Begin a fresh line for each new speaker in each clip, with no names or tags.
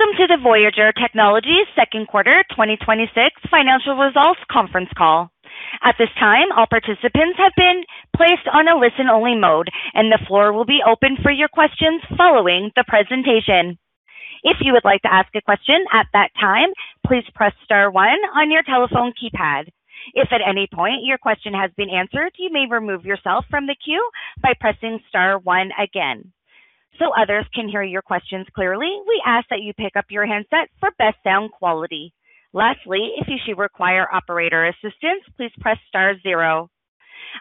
Welcome to the Voyager Technologies second quarter 2026 financial results conference call. At this time, all participants have been placed on a listen-only mode, and the floor will be open for your questions following the presentation. If you would like to ask a question at that time, please press star one on your telephone keypad. If at any point your question has been answered, you may remove yourself from the queue by pressing star one again. Others can hear your questions clearly, we ask that you pick up your handset for best sound quality. Lastly, if you should require operator assistance, please press star zero.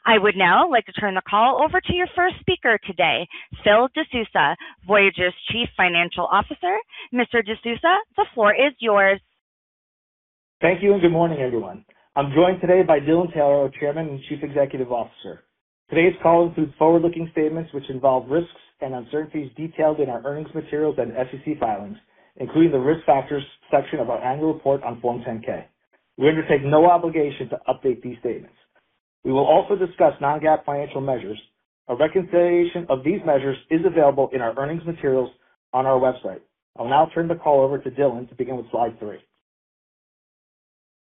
I would now like to turn the call over to your first speaker today, Phil De Sousa, Voyager's Chief Financial Officer. Mr. De Sousa, the floor is yours.
Thank you. Good morning, everyone. I'm joined today by Dylan Taylor, our Chairman and Chief Executive Officer. Today's call includes forward-looking statements which involve risks and uncertainties detailed in our earnings materials and SEC filings, including the risk factors section of our annual report on Form 10-K. We undertake no obligation to update these statements. We will also discuss non-GAAP financial measures. A reconciliation of these measures is available in our earnings materials on our website. I'll now turn the call over to Dylan to begin with slide three.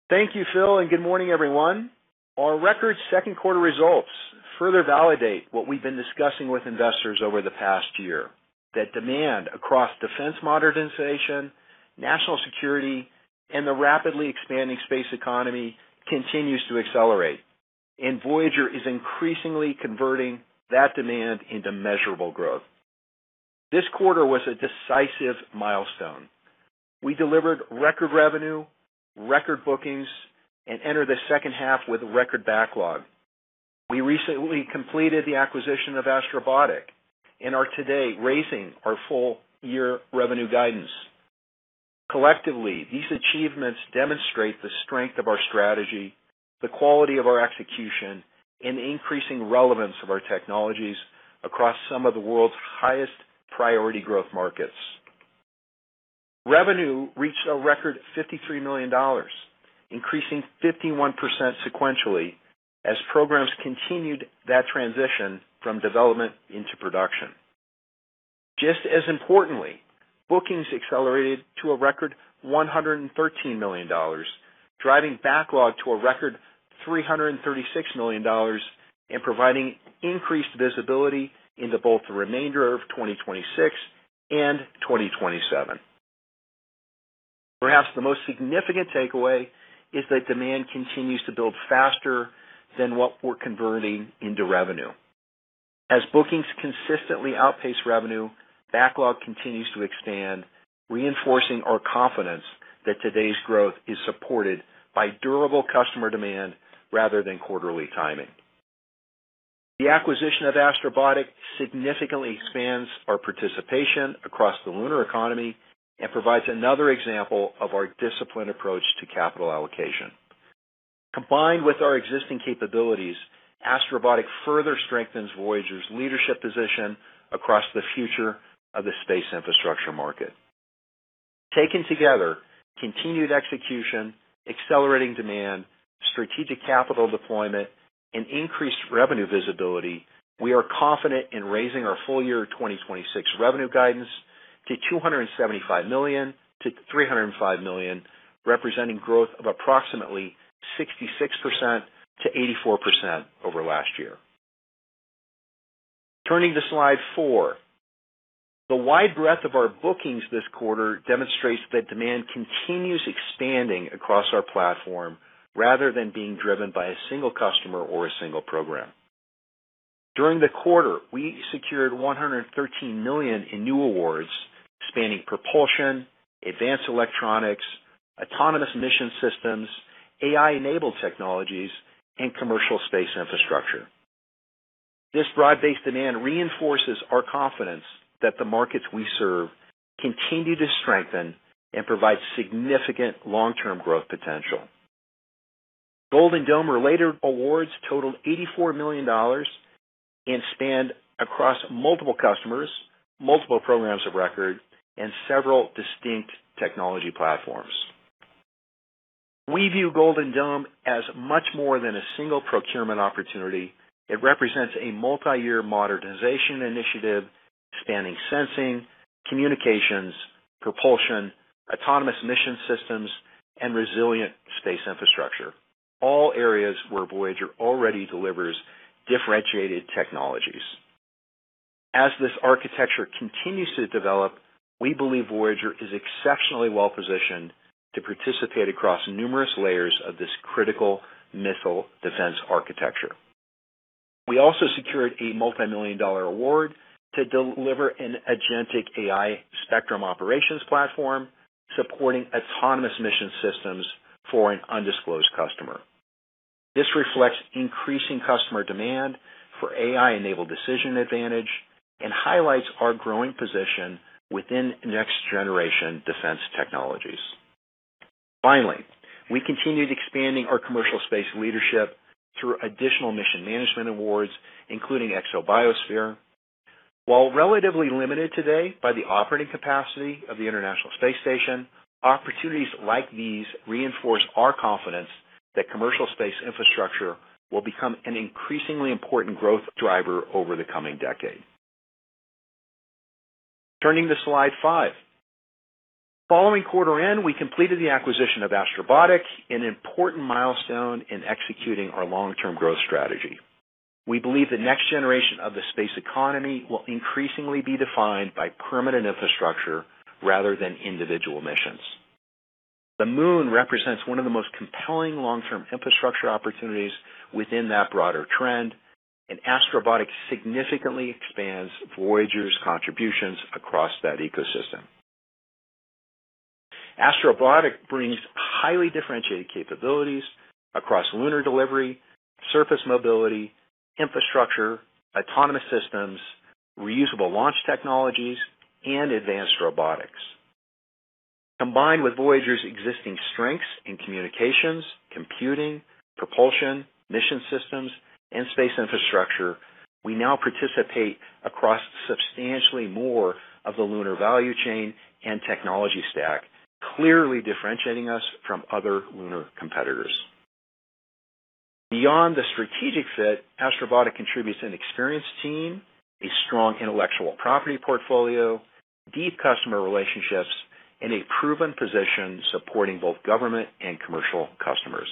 Thank you, Phil. Good morning, everyone. Our record second quarter results further validate what we've been discussing with investors over the past year, that demand across defense modernization, national security, and the rapidly expanding space economy continues to accelerate, and Voyager is increasingly converting that demand into measurable growth. This quarter was a decisive milestone. We delivered record revenue, record bookings, and entered the second half with a record backlog. We recently completed the acquisition of Astrobotic and are today raising our full year revenue guidance. Collectively, these achievements demonstrate the strength of our strategy, the quality of our execution, and the increasing relevance of our technologies across some of the world's highest priority growth markets. Revenue reached a record $53 million, increasing 51% sequentially as programs continued that transition from development into production. Just as importantly, bookings accelerated to a record $113 million, driving backlog to a record $336 million and providing increased visibility into both the remainder of 2026 and 2027. Perhaps the most significant takeaway is that demand continues to build faster than what we're converting into revenue. As bookings consistently outpace revenue, backlog continues to expand, reinforcing our confidence that today's growth is supported by durable customer demand rather than quarterly timing. The acquisition of Astrobotic significantly expands our participation across the lunar economy and provides another example of our disciplined approach to capital allocation. Combined with our existing capabilities, Astrobotic further strengthens Voyager's leadership position across the future of the space infrastructure market. Taken together, continued execution, accelerating demand, strategic capital deployment, and increased revenue visibility, we are confident in raising our full year 2026 revenue guidance to $275 million-$305 million, representing growth of approximately 66%-84% over last year. Turning to slide four. The wide breadth of our bookings this quarter demonstrates that demand continues expanding across our platform rather than being driven by a single customer or a single program. During the quarter, we secured $113 million in new awards spanning propulsion, advanced electronics, autonomous mission systems, AI-enabled technologies, and commercial space infrastructure. This broad-based demand reinforces our confidence that the markets we serve continue to strengthen and provide significant long-term growth potential. Golden Dome-related awards totaled $84 million and spanned across multiple customers, multiple programs of record, and several distinct technology platforms. We view Golden Dome as much more than a single procurement opportunity. It represents a multi-year modernization initiative spanning sensing, communications, propulsion, autonomous mission systems, and resilient space infrastructure, all areas where Voyager already delivers differentiated technologies. As this architecture continues to develop, we believe Voyager is exceptionally well-positioned to participate across numerous layers of this critical missile defense architecture. We also secured a multi-million-dollar award to deliver an agentic AI spectrum operations platform supporting autonomous mission systems for an undisclosed customer. This reflects increasing customer demand for AI-enabled decision advantage and highlights our growing position within next-generation defense technologies. Finally, we continued expanding our commercial space leadership through additional mission management awards, including ExoBiosphere. While relatively limited today by the operating capacity of the International Space Station, opportunities like these reinforce our confidence that commercial space infrastructure will become an increasingly important growth driver over the coming decade. Turning to slide five. Following quarter end, we completed the acquisition of Astrobotic, an important milestone in executing our long-term growth strategy. We believe the next generation of the space economy will increasingly be defined by permanent infrastructure rather than individual missions. The moon represents one of the most compelling long-term infrastructure opportunities within that broader trend, and Astrobotic significantly expands Voyager's contributions across that ecosystem. Astrobotic brings highly differentiated capabilities across lunar delivery, surface mobility, infrastructure, autonomous systems, reusable launch technologies, and advanced robotics. Combined with Voyager's existing strengths in communications, computing, propulsion, mission systems, and space infrastructure, we now participate across substantially more of the lunar value chain and technology stack, clearly differentiating us from other lunar competitors. Beyond the strategic fit, Astrobotic contributes an experienced team, a strong intellectual property portfolio, deep customer relationships, and a proven position supporting both government and commercial customers.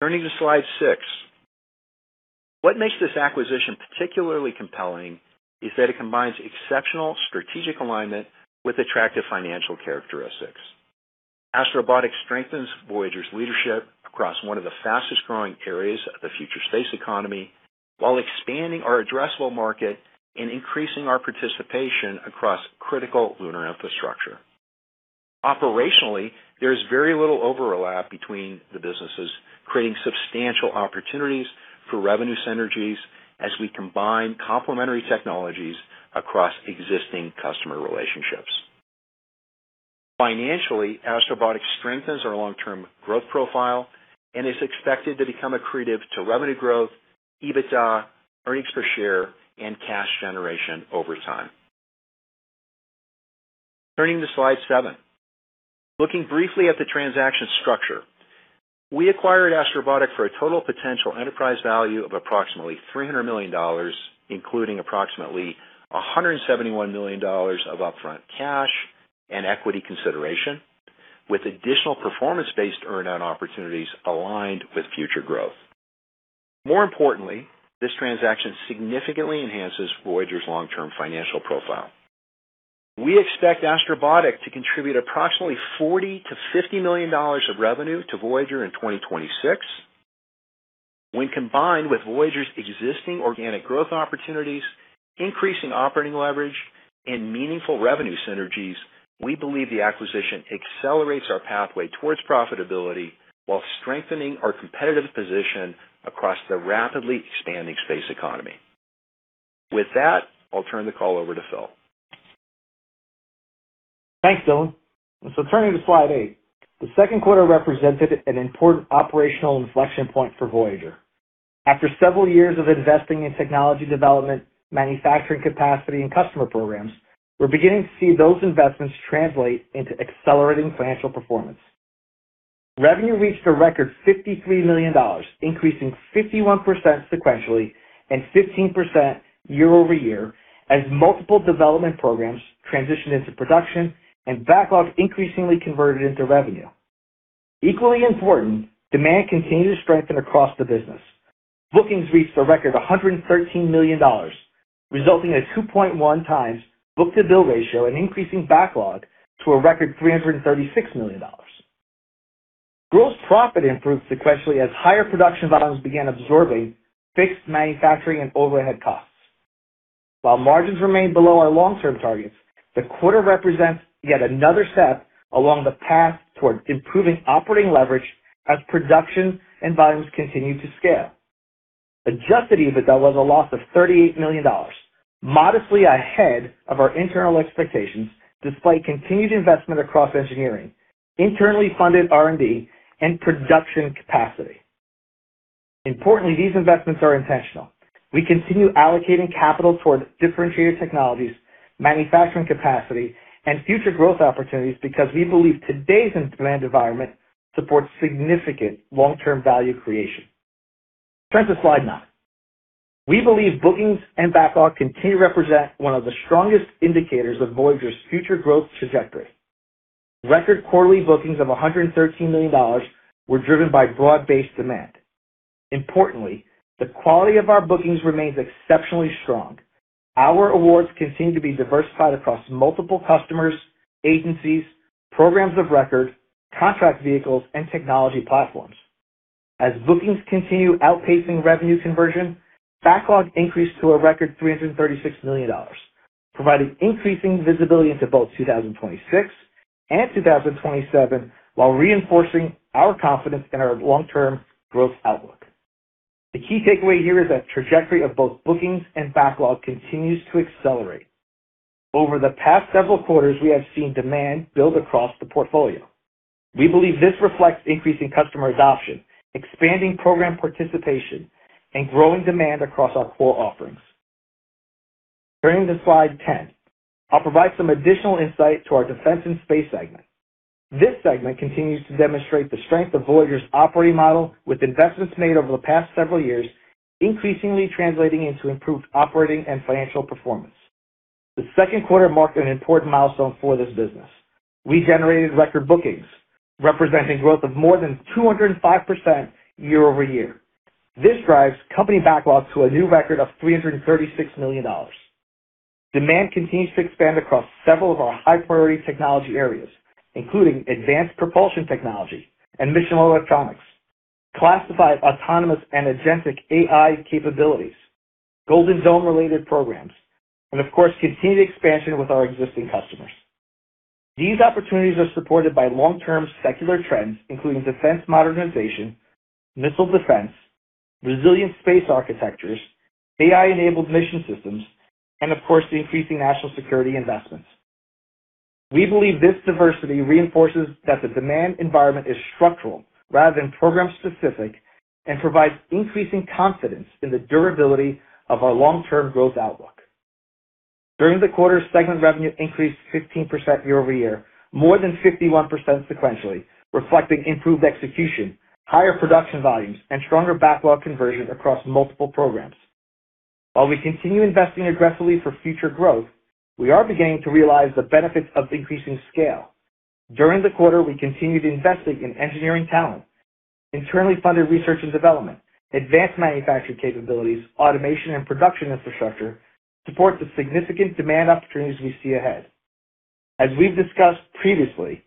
Turning to slide six. What makes this acquisition particularly compelling is that it combines exceptional strategic alignment with attractive financial characteristics. Astrobotic strengthens Voyager's leadership across one of the fastest-growing areas of the future space economy while expanding our addressable market and increasing our participation across critical lunar infrastructure. Operationally, there is very little overlap between the businesses, creating substantial opportunities for revenue synergies as we combine complementary technologies across existing customer relationships. Financially, Astrobotic strengthens our long-term growth profile and is expected to become accretive to revenue growth, EBITDA, earnings per share, and cash generation over time. Turning to slide seven. Looking briefly at the transaction structure, we acquired Astrobotic for a total potential enterprise value of approximately $300 million, including approximately $171 million of upfront cash and equity consideration, with additional performance-based earn-out opportunities aligned with future growth. More importantly, this transaction significantly enhances Voyager's long-term financial profile. We expect Astrobotic to contribute approximately $40 million-$50 million of revenue to Voyager in 2026. When combined with Voyager's existing organic growth opportunities, increasing operating leverage, and meaningful revenue synergies, we believe the acquisition accelerates our pathway towards profitability while strengthening our competitive position across the rapidly expanding space economy. With that, I'll turn the call over to Phil.
Thanks, Dylan. Turning to slide eight. The second quarter represented an important operational inflection point for Voyager. After several years of investing in technology development, manufacturing capacity, and customer programs, we're beginning to see those investments translate into accelerating financial performance. Revenue reached a record $53 million, increasing 51% sequentially and 15% year-over-year, as multiple development programs transitioned into production and backlog increasingly converted into revenue. Equally important, demand continued to strengthen across the business. Bookings reached a record $113 million, resulting in a 2.1x book-to-bill ratio and increasing backlog to a record $336 million. Gross profit improved sequentially as higher production volumes began absorbing fixed manufacturing and overhead costs. While margins remained below our long-term targets, the quarter represents yet another step along the path towards improving operating leverage as production and volumes continue to scale. Adjusted EBITDA was a loss of $38 million, modestly ahead of our internal expectations, despite continued investment across engineering, internally funded R&D, and production capacity. Importantly, these investments are intentional. We continue allocating capital towards differentiated technologies, manufacturing capacity, and future growth opportunities because we believe today's demand environment supports significant long-term value creation. Turning to slide nine. We believe bookings and backlog continue to represent one of the strongest indicators of Voyager's future growth trajectory. Record quarterly bookings of $113 million were driven by broad-based demand. Importantly, the quality of our bookings remains exceptionally strong. Our awards continue to be diversified across multiple customers, agencies, programs of record, contract vehicles, and technology platforms. As bookings continue outpacing revenue conversion, backlog increased to a record $336 million, providing increasing visibility into both 2026 and 2027 while reinforcing our confidence in our long-term growth outlook. The key takeaway here is that trajectory of both bookings and backlog continues to accelerate. Over the past several quarters, we have seen demand build across the portfolio. We believe this reflects increasing customer adoption, expanding program participation, and growing demand across our core offerings. Turning to slide 10, I'll provide some additional insight to our defense and space segment. This segment continues to demonstrate the strength of Voyager's operating model with investments made over the past several years, increasingly translating into improved operating and financial performance. The second quarter marked an important milestone for this business. We generated record bookings, representing growth of more than 205% year-over-year. This drives company backlogs to a new record of $336 million. Demand continues to expand across several of our high-priority technology areas, including advanced propulsion technology and mission electronics, classified, autonomous, and agentic AI capabilities, Golden Dome-related programs, and of course, continued expansion with our existing customers. These opportunities are supported by long-term secular trends, including defense modernization, missile defense, resilient space architectures, AI-enabled mission systems, and of course, the increasing national security investments. We believe this diversity reinforces that the demand environment is structural rather than program-specific and provides increasing confidence in the durability of our long-term growth outlook. During the quarter, segment revenue increased 15% year-over-year, more than 51% sequentially, reflecting improved execution, higher production volumes, and stronger backlog conversion across multiple programs. While we continue investing aggressively for future growth, we are beginning to realize the benefits of increasing scale. During the quarter, we continued investing in engineering talent, internally funded research and development, advanced manufacturing capabilities, automation and production infrastructure to support the significant demand opportunities we see ahead. As we've discussed previously,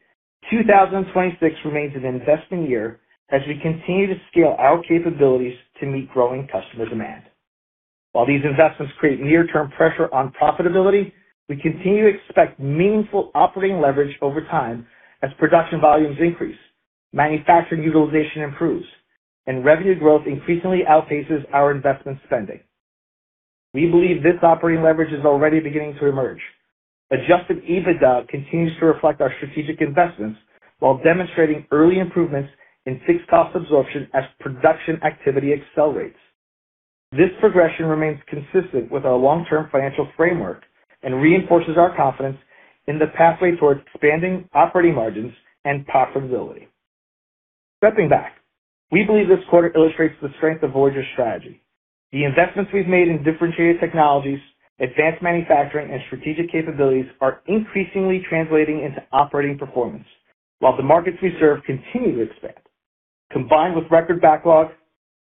2026 remains an investing year as we continue to scale our capabilities to meet growing customer demand. While these investments create near-term pressure on profitability, we continue to expect meaningful operating leverage over time as production volumes increase, manufacturing utilization improves, and revenue growth increasingly outpaces our investment spending. We believe this operating leverage is already beginning to emerge. Adjusted EBITDA continues to reflect our strategic investments while demonstrating early improvements in fixed cost absorption as production activity accelerates. This progression remains consistent with our long-term financial framework and reinforces our confidence in the pathway towards expanding operating margins and profitability. Stepping back, we believe this quarter illustrates the strength of Voyager's strategy. The investments we've made in differentiated technologies, advanced manufacturing, and strategic capabilities are increasingly translating into operating performance while the markets we serve continue to expand. Combined with record backlog,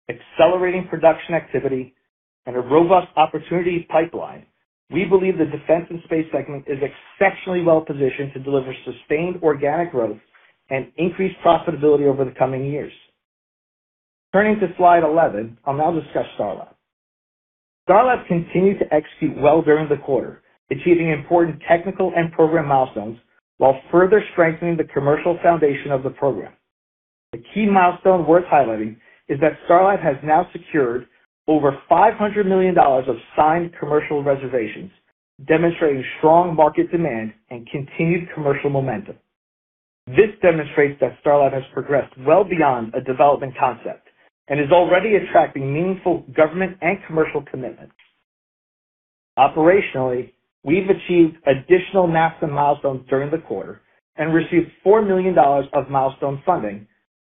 accelerating production activity, and a robust opportunity pipeline, we believe the defense and space segment is exceptionally well-positioned to deliver sustained organic growth and increased profitability over the coming years. Turning to slide 11, I'll now discuss Starlab. Starlab continued to execute well during the quarter, achieving important technical and program milestones while further strengthening the commercial foundation of the program. The key milestone worth highlighting is that Starlab has now secured over $500 million of signed commercial reservations, demonstrating strong market demand and continued commercial momentum. This demonstrates that Starlab has progressed well beyond a development concept and is already attracting meaningful government and commercial commitments. Operationally, we've achieved additional NASA milestones during the quarter and received $4 million of milestone funding,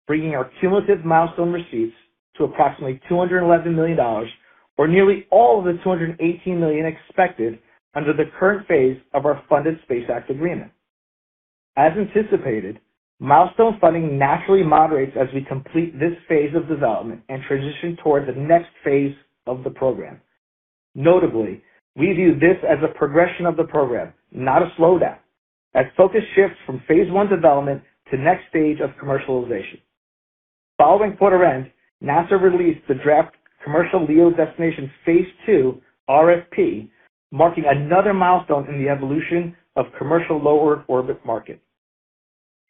bringing our cumulative milestone receipts to approximately $211 million, or nearly all of the $218 million expected under the current phase of our funded Space Act agreement. As anticipated, milestone funding naturally moderates as we complete this phase of development and transition towards the next phase of the program. Notably, we use this as a progression of the program, not a slowdown. That's focus shift from phase 1 development to the next stage of commercialization. Following quarter end, NASA released the draft commercial LEO Destination phase 2 RFP, marking another milestone in the evolution of commercial low-earth orbit markets.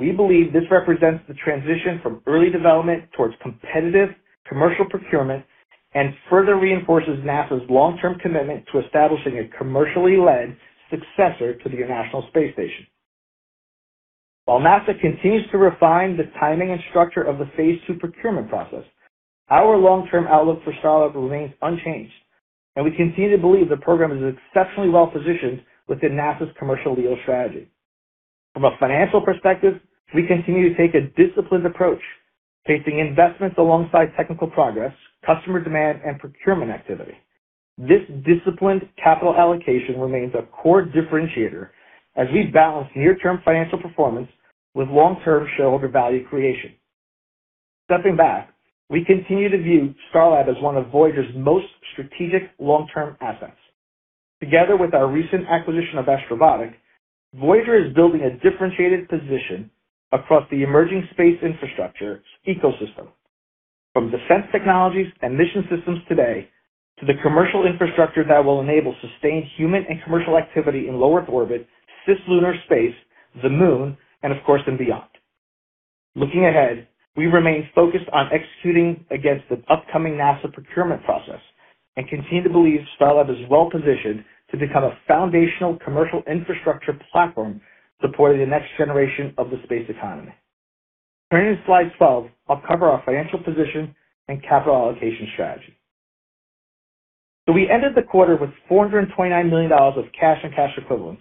We believe this represents the transition from early development towards competitive commercial procurement and further reinforces NASA's long-term commitment to establishing a commercially led successor to the International Space Station. While NASA continues to refine the timing and structure of the phase 2 procurement process, our long-term outlook for Starlab remains unchanged, and we continue to believe the program is exceptionally well positioned within NASA's commercial LEO strategy. From a financial perspective, we continue to take a disciplined approach, pacing investments alongside technical progress, customer demand, and procurement activity. This disciplined capital allocation remains a core differentiator as we balance near-term financial performance with long-term shareholder value creation. Stepping back, we continue to view Starlab as one of Voyager's most strategic long-term assets. Together with our recent acquisition of Astrobotic, Voyager is building a differentiated position across the emerging space infrastructure ecosystem, from defense technologies and mission systems today to the commercial infrastructure that will enable sustained human and commercial activity in low Earth orbit, cislunar space, the Moon, and of course, beyond. Looking ahead, we remain focused on executing against the upcoming NASA procurement process and continue to believe Starlab is well positioned to become a foundational commercial infrastructure platform supporting the next generation of the space economy. Turning to slide 12, I'll cover our financial position and capital allocation strategy. We ended the quarter with $429 million of cash and cash equivalents,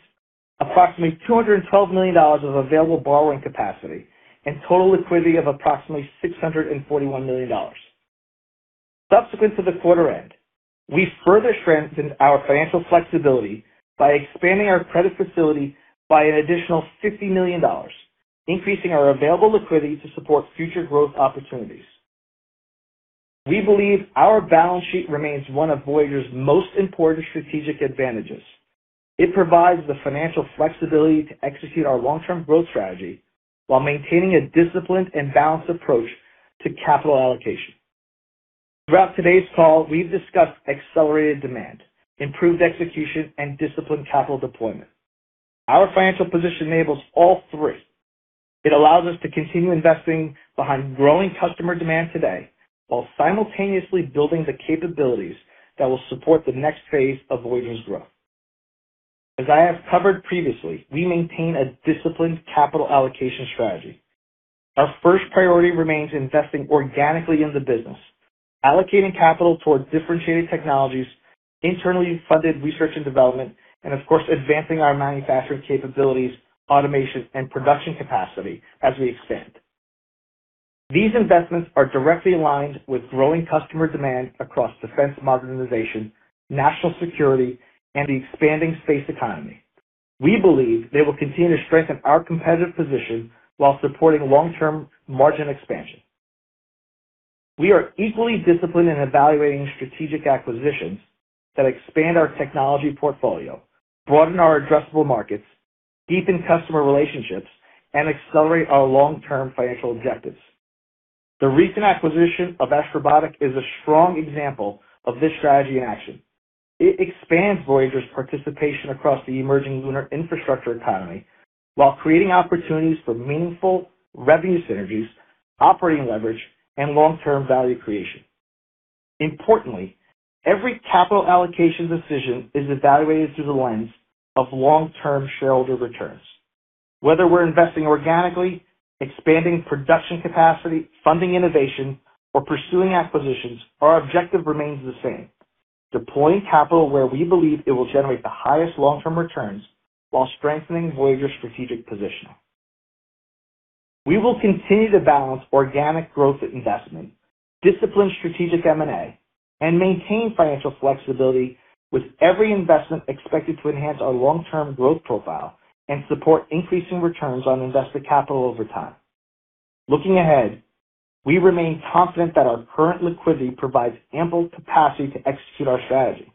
approximately $212 million of available borrowing capacity, and total liquidity of approximately $641 million. Subsequent to the quarter end, we further strengthened our financial flexibility by expanding our credit facility by an additional $50 million, increasing our available liquidity to support future growth opportunities. We believe our balance sheet remains one of Voyager's most important strategic advantages. It provides the financial flexibility to execute our long-term growth strategy while maintaining a disciplined and balanced approach to capital allocation. Throughout today's call, we've discussed accelerated demand, improved execution, and disciplined capital deployment. Our financial position enables all three. It allows us to continue investing behind growing customer demand today while simultaneously building the capabilities that will support the next phase of Voyager's growth. As I have covered previously, we maintain a disciplined capital allocation strategy. Our first priority remains investing organically in the business, allocating capital toward differentiated technologies, internally funded research and development, and of course, advancing our manufacturing capabilities, automation, and production capacity as we expand. These investments are directly aligned with growing customer demand across defense modernization, national security, and the expanding space economy. We believe they will continue to strengthen our competitive position while supporting long-term margin expansion. We are equally disciplined in evaluating strategic acquisitions that expand our technology portfolio, broaden our addressable markets, deepen customer relationships, and accelerate our long-term financial objectives. The recent acquisition of Astrobotic is a strong example of this strategy in action. It expands Voyager's participation across the emerging lunar infrastructure economy while creating opportunities for meaningful revenue synergies, operating leverage, and long-term value creation. Importantly, every capital allocation decision is evaluated through the lens of long-term shareholder returns. Whether we're investing organically, expanding production capacity, funding innovation, or pursuing acquisitions, our objective remains the same. Deploying capital where we believe it will generate the highest long-term returns while strengthening Voyager's strategic positioning. We will continue to balance organic growth investment, disciplined strategic M&A, and maintain financial flexibility with every investment expected to enhance our long-term growth profile and support increasing returns on invested capital over time. Looking ahead, we remain confident that our current liquidity provides ample capacity to execute our strategy.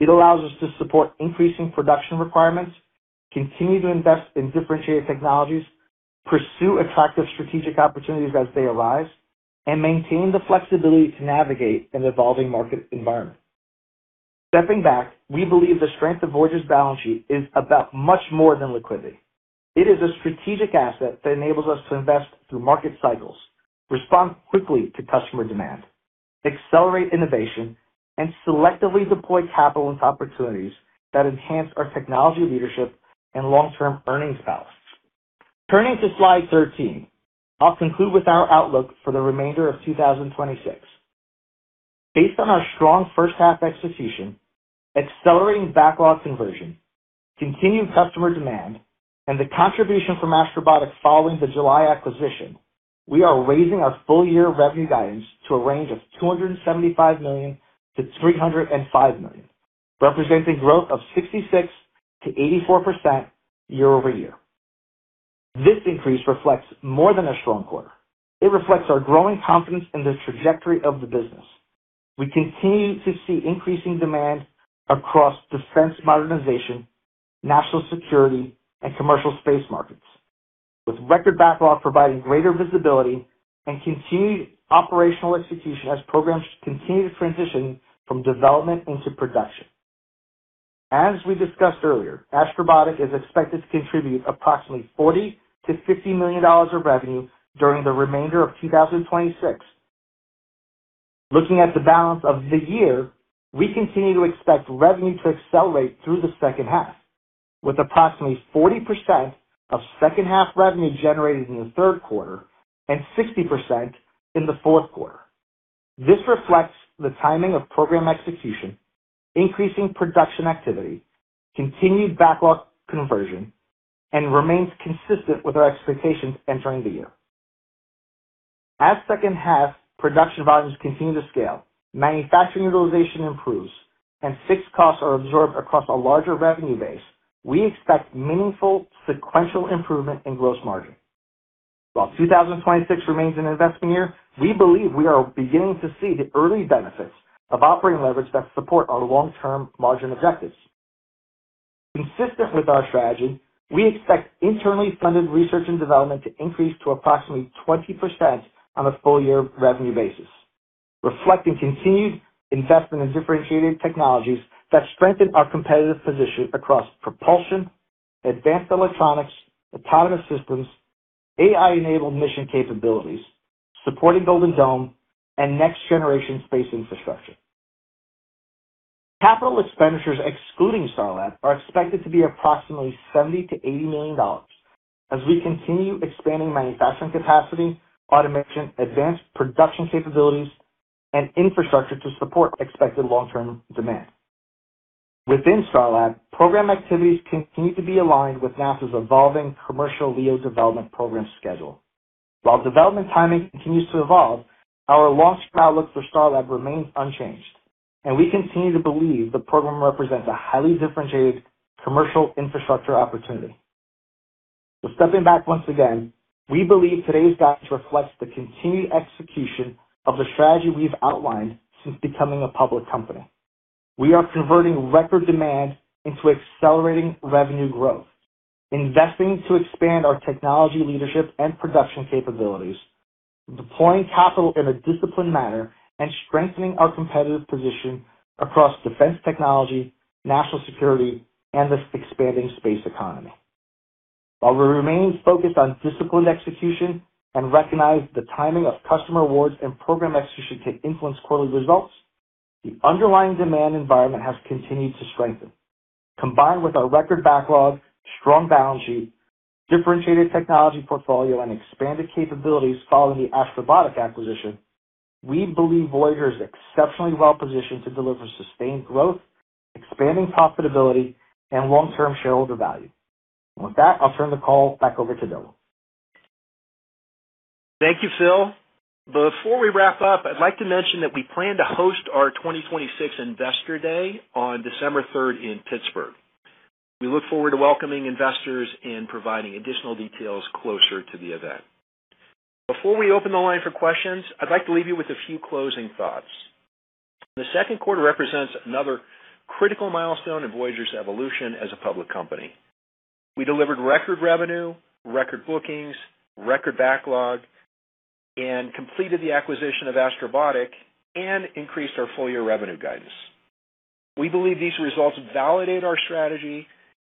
It allows us to support increasing production requirements, continue to invest in differentiated technologies, pursue attractive strategic opportunities as they arise, and maintain the flexibility to navigate an evolving market environment. Stepping back, we believe the strength of Voyager's balance sheet is about much more than liquidity. It is a strategic asset that enables us to invest through market cycles, respond quickly to customer demand, accelerate innovation, and selectively deploy capital into opportunities that enhance our technology leadership and long-term earnings power. Turning to slide 13, I'll conclude with our outlook for the remainder of 2026. Based on our strong first-half execution, accelerating backlog conversion, continuing customer demand, and the contribution from Astrobotic following the July acquisition, we are raising our full-year revenue guidance to a range of $275 million-$305 million, representing growth of 66%-84% year-over-year. This increase reflects more than a strong quarter. It reflects our growing confidence in the trajectory of the business. We continue to see increasing demand across defense modernization, national security, and commercial space markets, with record backlog providing greater visibility and continued operational execution as programs continue to transition from development into production. As we discussed earlier, Astrobotic is expected to contribute approximately $40 million-$50 million of revenue during the remainder of 2026. Looking at the balance of the year, we continue to expect revenue to accelerate through the second half, with approximately 40% of second half revenue generated in the third quarter and 60% in the fourth quarter. This reflects the timing of program execution, increasing production activity, continued backlog conversion, and remains consistent with our expectations entering the year. As second-half production volumes continue to scale, manufacturing utilization improves, and fixed costs are absorbed across a larger revenue base, we expect meaningful sequential improvement in gross margin. While 2026 remains an investment year, we believe we are beginning to see the early benefits of operating leverage that support our long-term margin objectives. Consistent with our strategy, we expect internally funded research and development to increase to approximately 20% on a full year revenue basis, reflecting continued investment in differentiated technologies that strengthen our competitive position across propulsion, advanced electronics, autonomous systems, AI-enabled mission capabilities, supporting Golden Dome, and next-generation space infrastructure. Capital expenditures excluding Starlab are expected to be approximately $70 million-$80 million as we continue expanding manufacturing capacity, automation, advanced production capabilities, and infrastructure to support expected long-term demand. Within Starlab, program activities continue to be aligned with NASA's evolving commercial LEO development program schedule. While development timing continues to evolve, our launch outlook for Starlab remains unchanged, and we continue to believe the program represents a highly differentiated commercial infrastructure opportunity. Stepping back once again, we believe today's guidance reflects the continued execution of the strategy we've outlined since becoming a public company. We are converting record demand into accelerating revenue growth, investing to expand our technology leadership and production capabilities, deploying capital in a disciplined manner, and strengthening our competitive position across defense technology, national security, and the expanding space economy. While we remain focused on disciplined execution and recognize the timing of customer awards and program execution can influence quarterly results, the underlying demand environment has continued to strengthen. Combined with our record backlog, strong balance sheet, differentiated technology portfolio, and expanded capabilities following the Astrobotic acquisition, we believe Voyager is exceptionally well-positioned to deliver sustained growth, expanding profitability, and long-term shareholder value. With that, I'll turn the call back over to Dylan.
Thank you, Phil. Before we wrap up, I'd like to mention that we plan to host our 2026 Investor Day on December 3rd in Pittsburgh. We look forward to welcoming investors and providing additional details closer to the event. Before we open the line for questions, I'd like to leave you with a few closing thoughts. The second quarter represents another critical milestone in Voyager's evolution as a public company. We delivered record revenue, record bookings, record backlog, completed the acquisition of Astrobotic, and increased our full-year revenue guidance. We believe these results validate our strategy,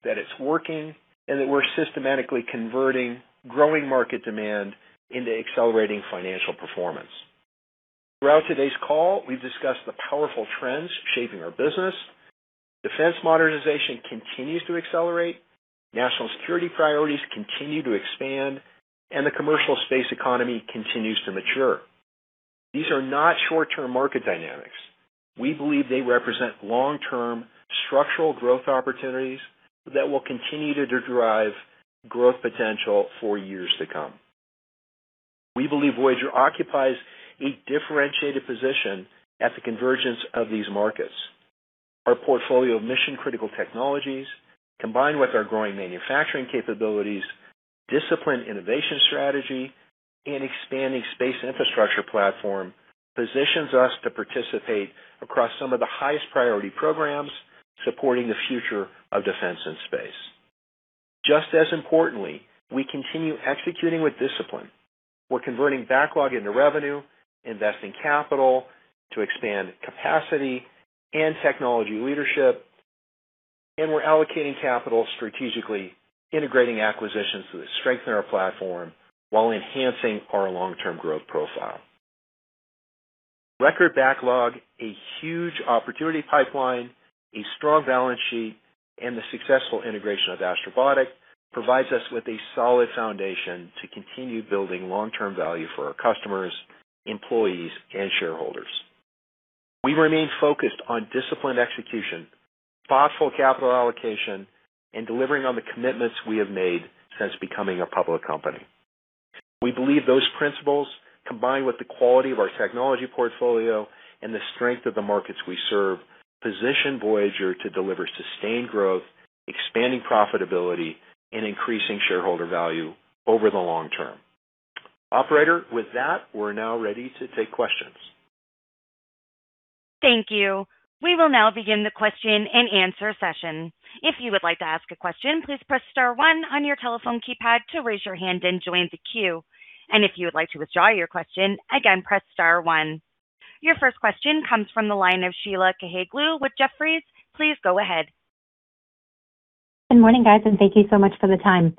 that it's working, and that we're systematically converting growing market demand into accelerating financial performance. Throughout today's call, we've discussed the powerful trends shaping our business. Defense modernization continues to accelerate, national security priorities continue to expand, and the commercial space economy continues to mature. These are not short-term market dynamics. We believe they represent long-term structural growth opportunities that will continue to drive growth potential for years to come. We believe Voyager occupies a differentiated position at the convergence of these markets. Our portfolio of mission-critical technologies, combined with our growing manufacturing capabilities, disciplined innovation strategy, and expanding space infrastructure platform, positions us to participate across some of the highest priority programs supporting the future of defense and space. Just as importantly, we continue executing with discipline. We're converting backlog into revenue, investing capital to expand capacity and technology leadership, we're allocating capital strategically, integrating acquisitions to strengthen our platform while enhancing our long-term growth profile. Record backlog, a huge opportunity pipeline, a strong balance sheet, the successful integration of Astrobotic provides us with a solid foundation to continue building long-term value for our customers, employees, and shareholders. We remain focused on disciplined execution, thoughtful capital allocation, and delivering on the commitments we have made since becoming a public company. We believe those principles, combined with the quality of our technology portfolio and the strength of the markets we serve, position Voyager to deliver sustained growth, expanding profitability, and increasing shareholder value over the long term. Operator, with that, we're now ready to take questions.
Thank you. We will now begin the question-and-answer session. If you would like to ask a question, please press star one on your telephone keypad to raise your hand and join the queue. If you would like to withdraw your question, again, press star one. Your first question comes from the line of Sheila Kahyaoglu with Jefferies. Please go ahead.
Good morning, guys. Thank you so much for the time.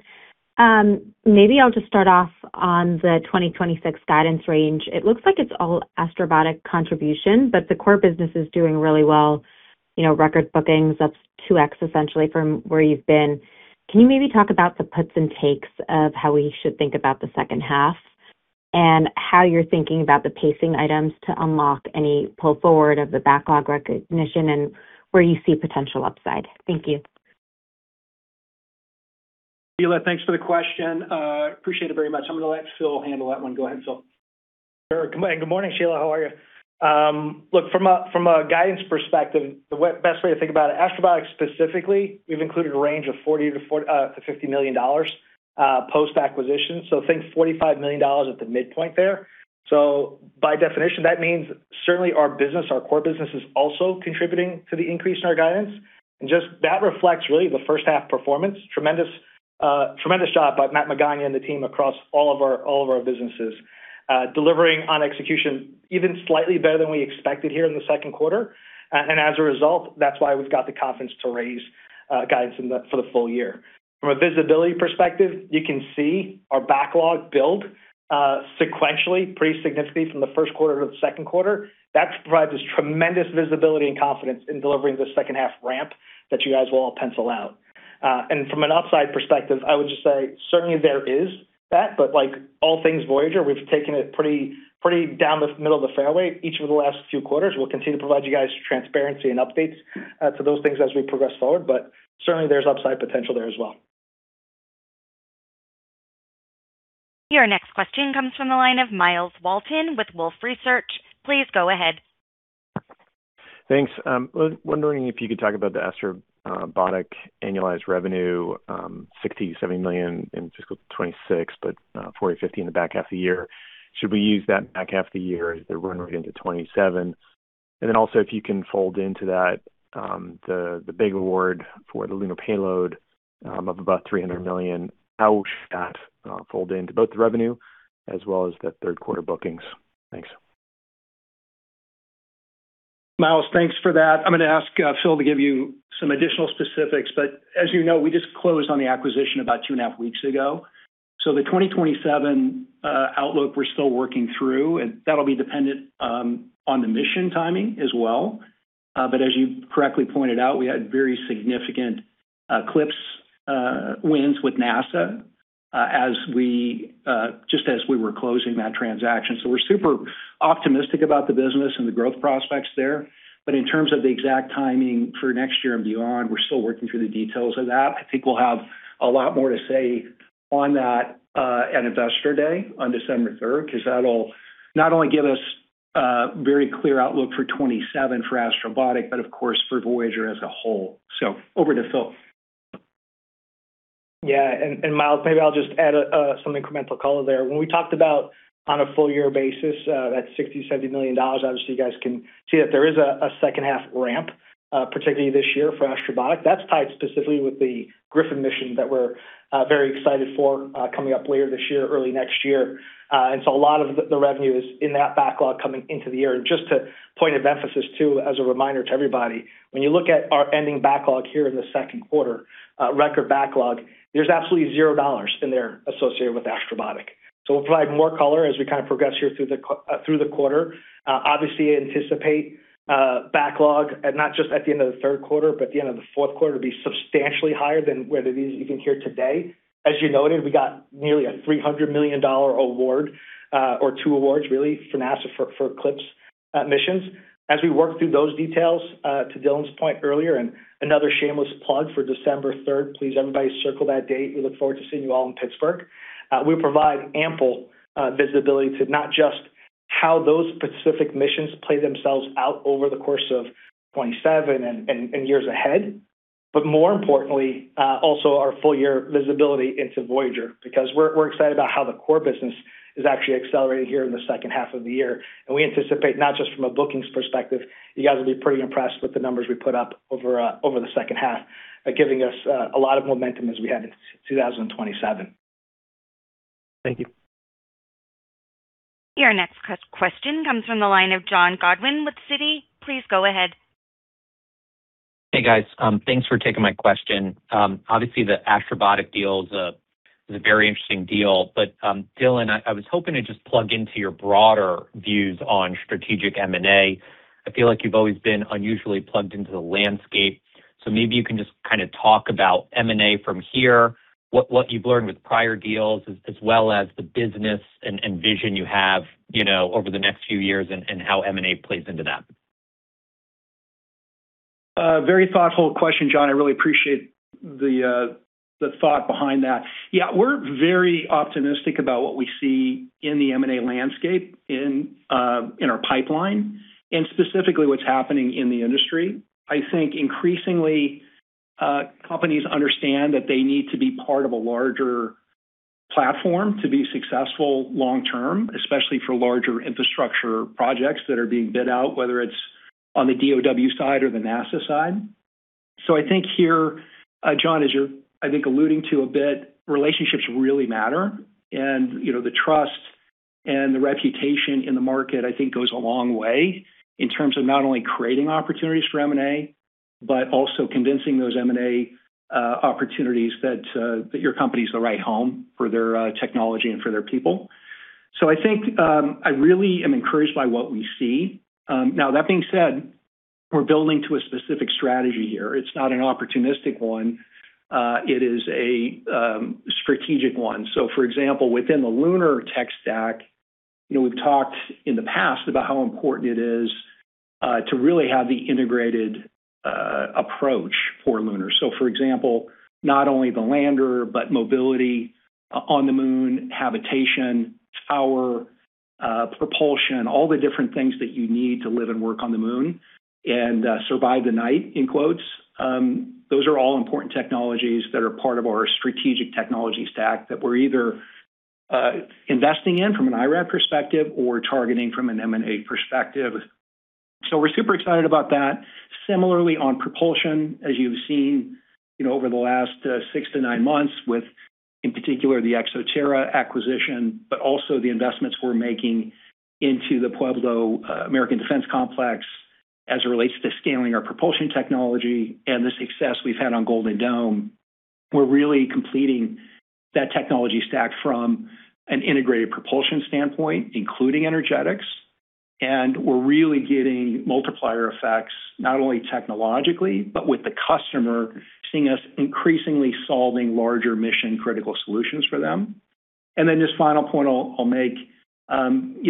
Maybe I'll just start off on the 2026 guidance range. It looks like it's all Astrobotic contribution, but the core business is doing really well. Record bookings, that's 2x, essentially, from where you've been. Can you maybe talk about the puts and takes of how we should think about the second half, and how you're thinking about the pacing items to unlock any pull forward of the backlog recognition and where you see potential upside? Thank you.
Sheila, thanks for the question. Appreciate it very much. I'm going to let Phil handle that one. Go ahead, Phil.
Sure. Good morning, Sheila. How are you? Look, from a guidance perspective, the best way to think about it, Astrobotic specifically, we've included a range of $40 million-$50 million post-acquisition. Think $45 million at the midpoint there. By definition, that means certainly our business, our core business, is also contributing to the increase in our guidance. Just, that reflects really the first half performance. Tremendous job by Matt Kuta and the team across all of our businesses. Delivering on execution even slightly better than we expected here in the second quarter. As a result, that's why we've got the confidence to raise guidance for the full year. From a visibility perspective, you can see our backlog build sequentially pretty significantly from the first quarter to the second quarter. That provides us tremendous visibility and confidence in delivering the second half ramp that you guys will all pencil out. From an upside perspective, I would just say certainly there is that, but like all things Voyager, we've taken it pretty down the middle of the fairway each of the last few quarters. We'll continue to provide you guys transparency and updates to those things as we progress forward. Certainly, there's upside potential there as well.
Your next question comes from the line of Myles Walton with Wolfe Research. Please go ahead.
Thanks. I was wondering if you could talk about the Astrobotic annualized revenue, $60 million-$70 million in FY 2026, but $40 million-$50 million in the back half of the year. Should we use that back half of the year as the run rate into 2027? Also, if you can fold into that the big award for the lunar payload of about $300 million. How should that fold into both the revenue as well as the third quarter bookings? Thanks.
Myles, thanks for that. I'm going to ask Phil to give you some additional specifics, as you know, we just closed on the acquisition about two and a half weeks ago. The 2027 outlook we're still working through, and that'll be dependent on the mission timing as well. As you correctly pointed out, we had very significant CLPS wins with NASA just as we were closing that transaction. We're super optimistic about the business and the growth prospects there. In terms of the exact timing for next year and beyond, we're still working through the details of that. I think we'll have a lot more to say on that at Investor Day on December 3rd, because that'll not only give us a very clear outlook for 2027 for Astrobotic, but of course for Voyager as a whole. Over to Phil.
Yeah. Myles, maybe I'll just add some incremental color there. When we talked about on a full year basis, that $60 million-$70 million, obviously, you guys can see that there is a second half ramp, particularly this year for Astrobotic. That's tied specifically with the Griffin mission that we're very excited for coming up later this year, early next year. A lot of the revenue is in that backlog coming into the year. Just to point of emphasis, too, as a reminder to everybody, when you look at our ending backlog here in the second quarter, record backlog, there's absolutely $0 in there associated with Astrobotic. We'll provide more color as we progress here through the quarter. Obviously anticipate backlog at not just the end of the third quarter, but at the end of the fourth quarter to be substantially higher than what it is even here today. As you noted, we got nearly a $300 million award, or two awards really, from NASA for CLPS missions. As we work through those details, to Dylan's point earlier, another shameless plug for December 3rd, please, everybody, circle that date. We look forward to seeing you all in Pittsburgh. We provide ample visibility to not just how those specific missions play themselves out over the course of 2027 and years ahead, but more importantly, also our full year visibility into Voyager. We're excited about how the core business is actually accelerating here in the second half of the year. We anticipate not just from a bookings perspective, you guys will be pretty impressed with the numbers we put up over the second half, giving us a lot of momentum as we head into 2027.
Thank you.
Your next question comes from the line of John Godyn with Citi. Please go ahead.
Hey, guys. Thanks for taking my question. Obviously, the Astrobotic deal is a very interesting deal. Dylan, I was hoping to just plug into your broader views on strategic M&A. I feel like you've always been unusually plugged into the landscape. Maybe you can just talk about M&A from here, what you've learned with prior deals as well as the business and vision you have over the next few years and how M&A plays into that.
Very thoughtful question, John. I really appreciate the thought behind that. Yeah, we're very optimistic about what we see in the M&A landscape in our pipeline and specifically what's happening in the industry. I think increasingly, companies understand that they need to be part of a larger platform to be successful long-term, especially for larger infrastructure projects that are being bid out, whether it's on the DoD side or the NASA side. I think here, John, as you're I think alluding to a bit, relationships really matter. The trust and the reputation in the market, I think goes a long way in terms of not only creating opportunities for M&A, but also convincing those M&A opportunities that your company is the right home for their technology and for their people. I think I really am encouraged by what we see. Now that being said, we're building to a specific strategy here. It's not an opportunistic one. It is a strategic one. For example, within the lunar tech stack, we've talked in the past about how important it is to really have the integrated approach for lunar. For example, not only the lander, but mobility on the Moon, habitation, power, propulsion, all the different things that you need to live and work on the Moon and "survive the night." Those are all important technologies that are part of our strategic technology stack that we're either investing in from an IRAD perspective or targeting from an M&A perspective. We're super excited about that. Similarly, on propulsion, as you've seen over the last six to nine months with, in particular, the ExoTerra acquisition, but also the investments we're making into the Voyager American Defense Complex as it relates to scaling our propulsion technology and the success we've had on Golden Dome. We're really completing that technology stack from an integrated propulsion standpoint, including energetics. We're really getting multiplier effects, not only technologically, but with the customer seeing us increasingly solving larger mission-critical solutions for them. This final point I'll make,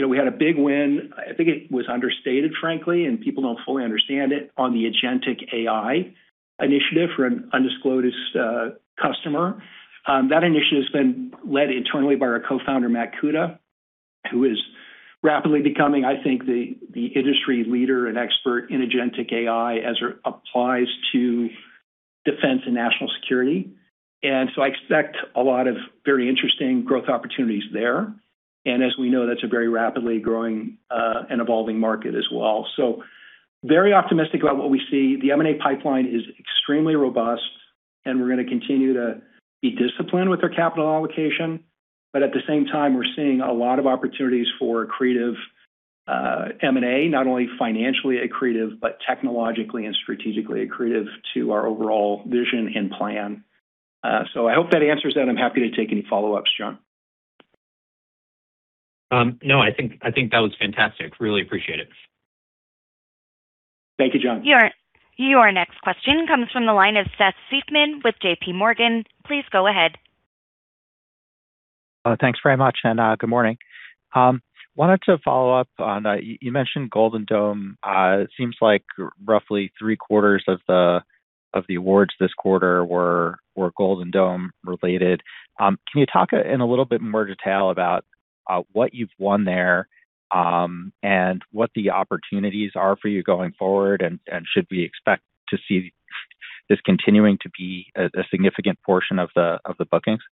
we had a big win, I think it was understated, frankly, and people don't fully understand it, on the agentic AI initiative for an undisclosed customer. That initiative has been led internally by our Co-Founder, Matt Kuta, who is rapidly becoming, I think, the industry leader and expert in agentic AI as it applies to defense and national security. I expect a lot of very interesting growth opportunities there. As we know, that's a very rapidly growing and evolving market as well. Very optimistic about what we see. The M&A pipeline is extremely robust. We're going to continue to be disciplined with our capital allocation. At the same time, we're seeing a lot of opportunities for accretive M&A, not only financially accretive, but technologically and strategically accretive to our overall vision and plan. I hope that answers that. I'm happy to take any follow-ups, John.
I think that was fantastic. Really appreciate it.
Thank you, John.
Your next question comes from the line of Seth Seifman with JPMorgan. Please go ahead.
Thanks very much, and good morning. Wanted to follow up on, you mentioned Golden Dome. It seems like roughly three quarters of the awards this quarter were Golden Dome related. Can you talk in a little bit more detail about what you've won there, and what the opportunities are for you going forward, and should we expect to see this continuing to be a significant portion of the bookings?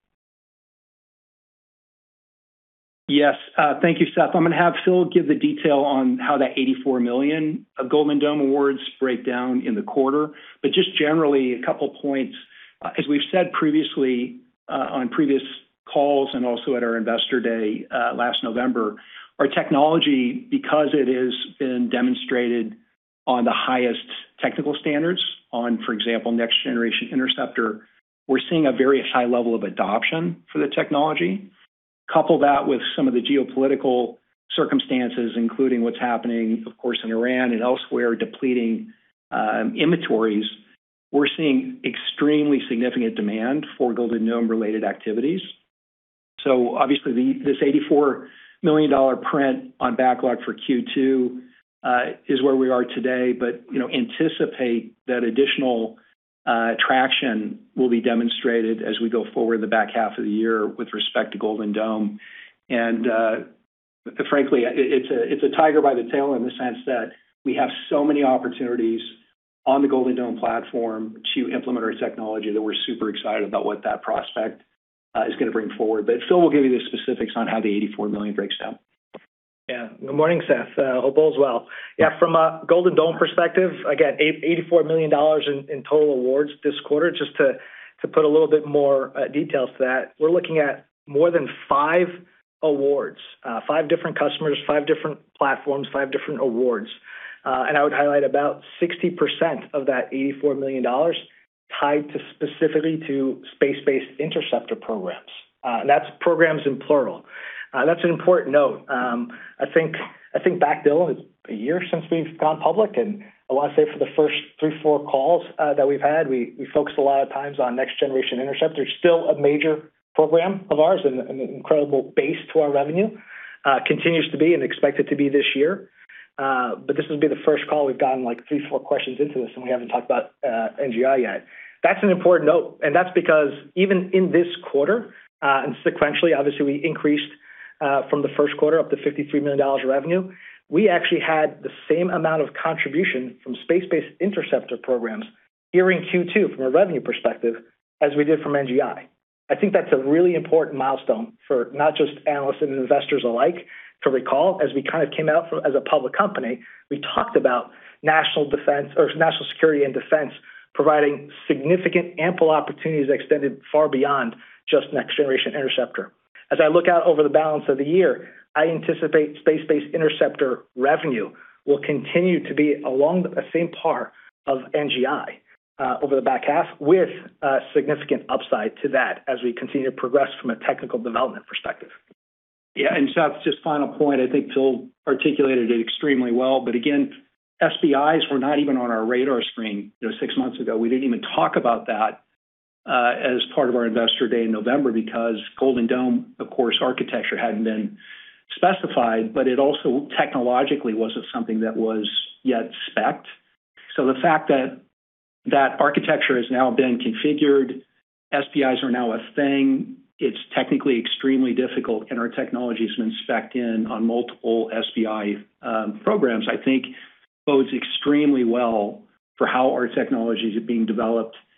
Yes. Thank you, Seth. I'm going to have Phil give the detail on how that $84 million of Golden Dome awards break down in the quarter. Just generally, a couple points. As we've said previously on previous calls and also at our Investor Day last November, our technology, because it has been demonstrated on the highest technical standards on, for example, Next Generation Interceptor, we're seeing a very high level of adoption for the technology. Couple that with some of the geopolitical circumstances, including what's happening, of course, in Iran and elsewhere, depleting inventories. We're seeing extremely significant demand for Golden Dome-related activities. Obviously, this $84 million print on backlog for Q2 is where we are today. Anticipate that additional traction will be demonstrated as we go forward in the back half of the year with respect to Golden Dome. Frankly, it's a tiger by the tail in the sense that we have so many opportunities on the Golden Dome platform to implement our technology that we're super excited about what that prospect is going to bring forward. Phil will give you the specifics on how the $84 million breaks down.
Good morning, Seth. Hope all is well. From a Golden Dome perspective, again, $84 million in total awards this quarter. Just to put a little bit more details to that, we're looking at more than five awards. Five different customers, five different platforms, five different awards. I would highlight about 60% of that $84 million tied specifically to Space-Based Interceptor programs. That's programs in plural. That's an important note. I think back, Dylan, it's a year since we've gone public. I want to say for the first three, four calls that we've had, we focused a lot of times on Next Generation Interceptor. It's still a major program of ours and an incredible base to our revenue. Continues to be and expect it to be this year. This will be the first call we've gotten three, four questions into this, and we haven't talked about NGI yet. That's an important note. That's because even in this quarter, sequentially, obviously we increased from the first quarter up to $53 million of revenue, we actually had the same amount of contribution from Space-Based Interceptor programs here in Q2 from a revenue perspective as we did from NGI. I think that's a really important milestone for not just analysts and investors alike to recall. As we kind of came out as a public company, we talked about national security and defense providing significant, ample opportunities that extended far beyond just Next Generation Interceptor. As I look out over the balance of the year, I anticipate Space-Based Interceptor revenue will continue to be along the same par of NGI, over the back half with significant upside to that as we continue to progress from a technical development perspective.
Seth, just final point, I think Phil articulated it extremely well. Again, SBI were not even on our radar screen six months ago. We didn't even talk about that as part of our Investor Day in November because Golden Dome, of course, architecture hadn't been specified, but it also technologically wasn't something that was yet specced. The fact that that architecture has now been configured, SBI are now a thing, it's technically extremely difficult, and our technology's been specced in on multiple SBI programs, I think bodes extremely well for how our technologies are being developed in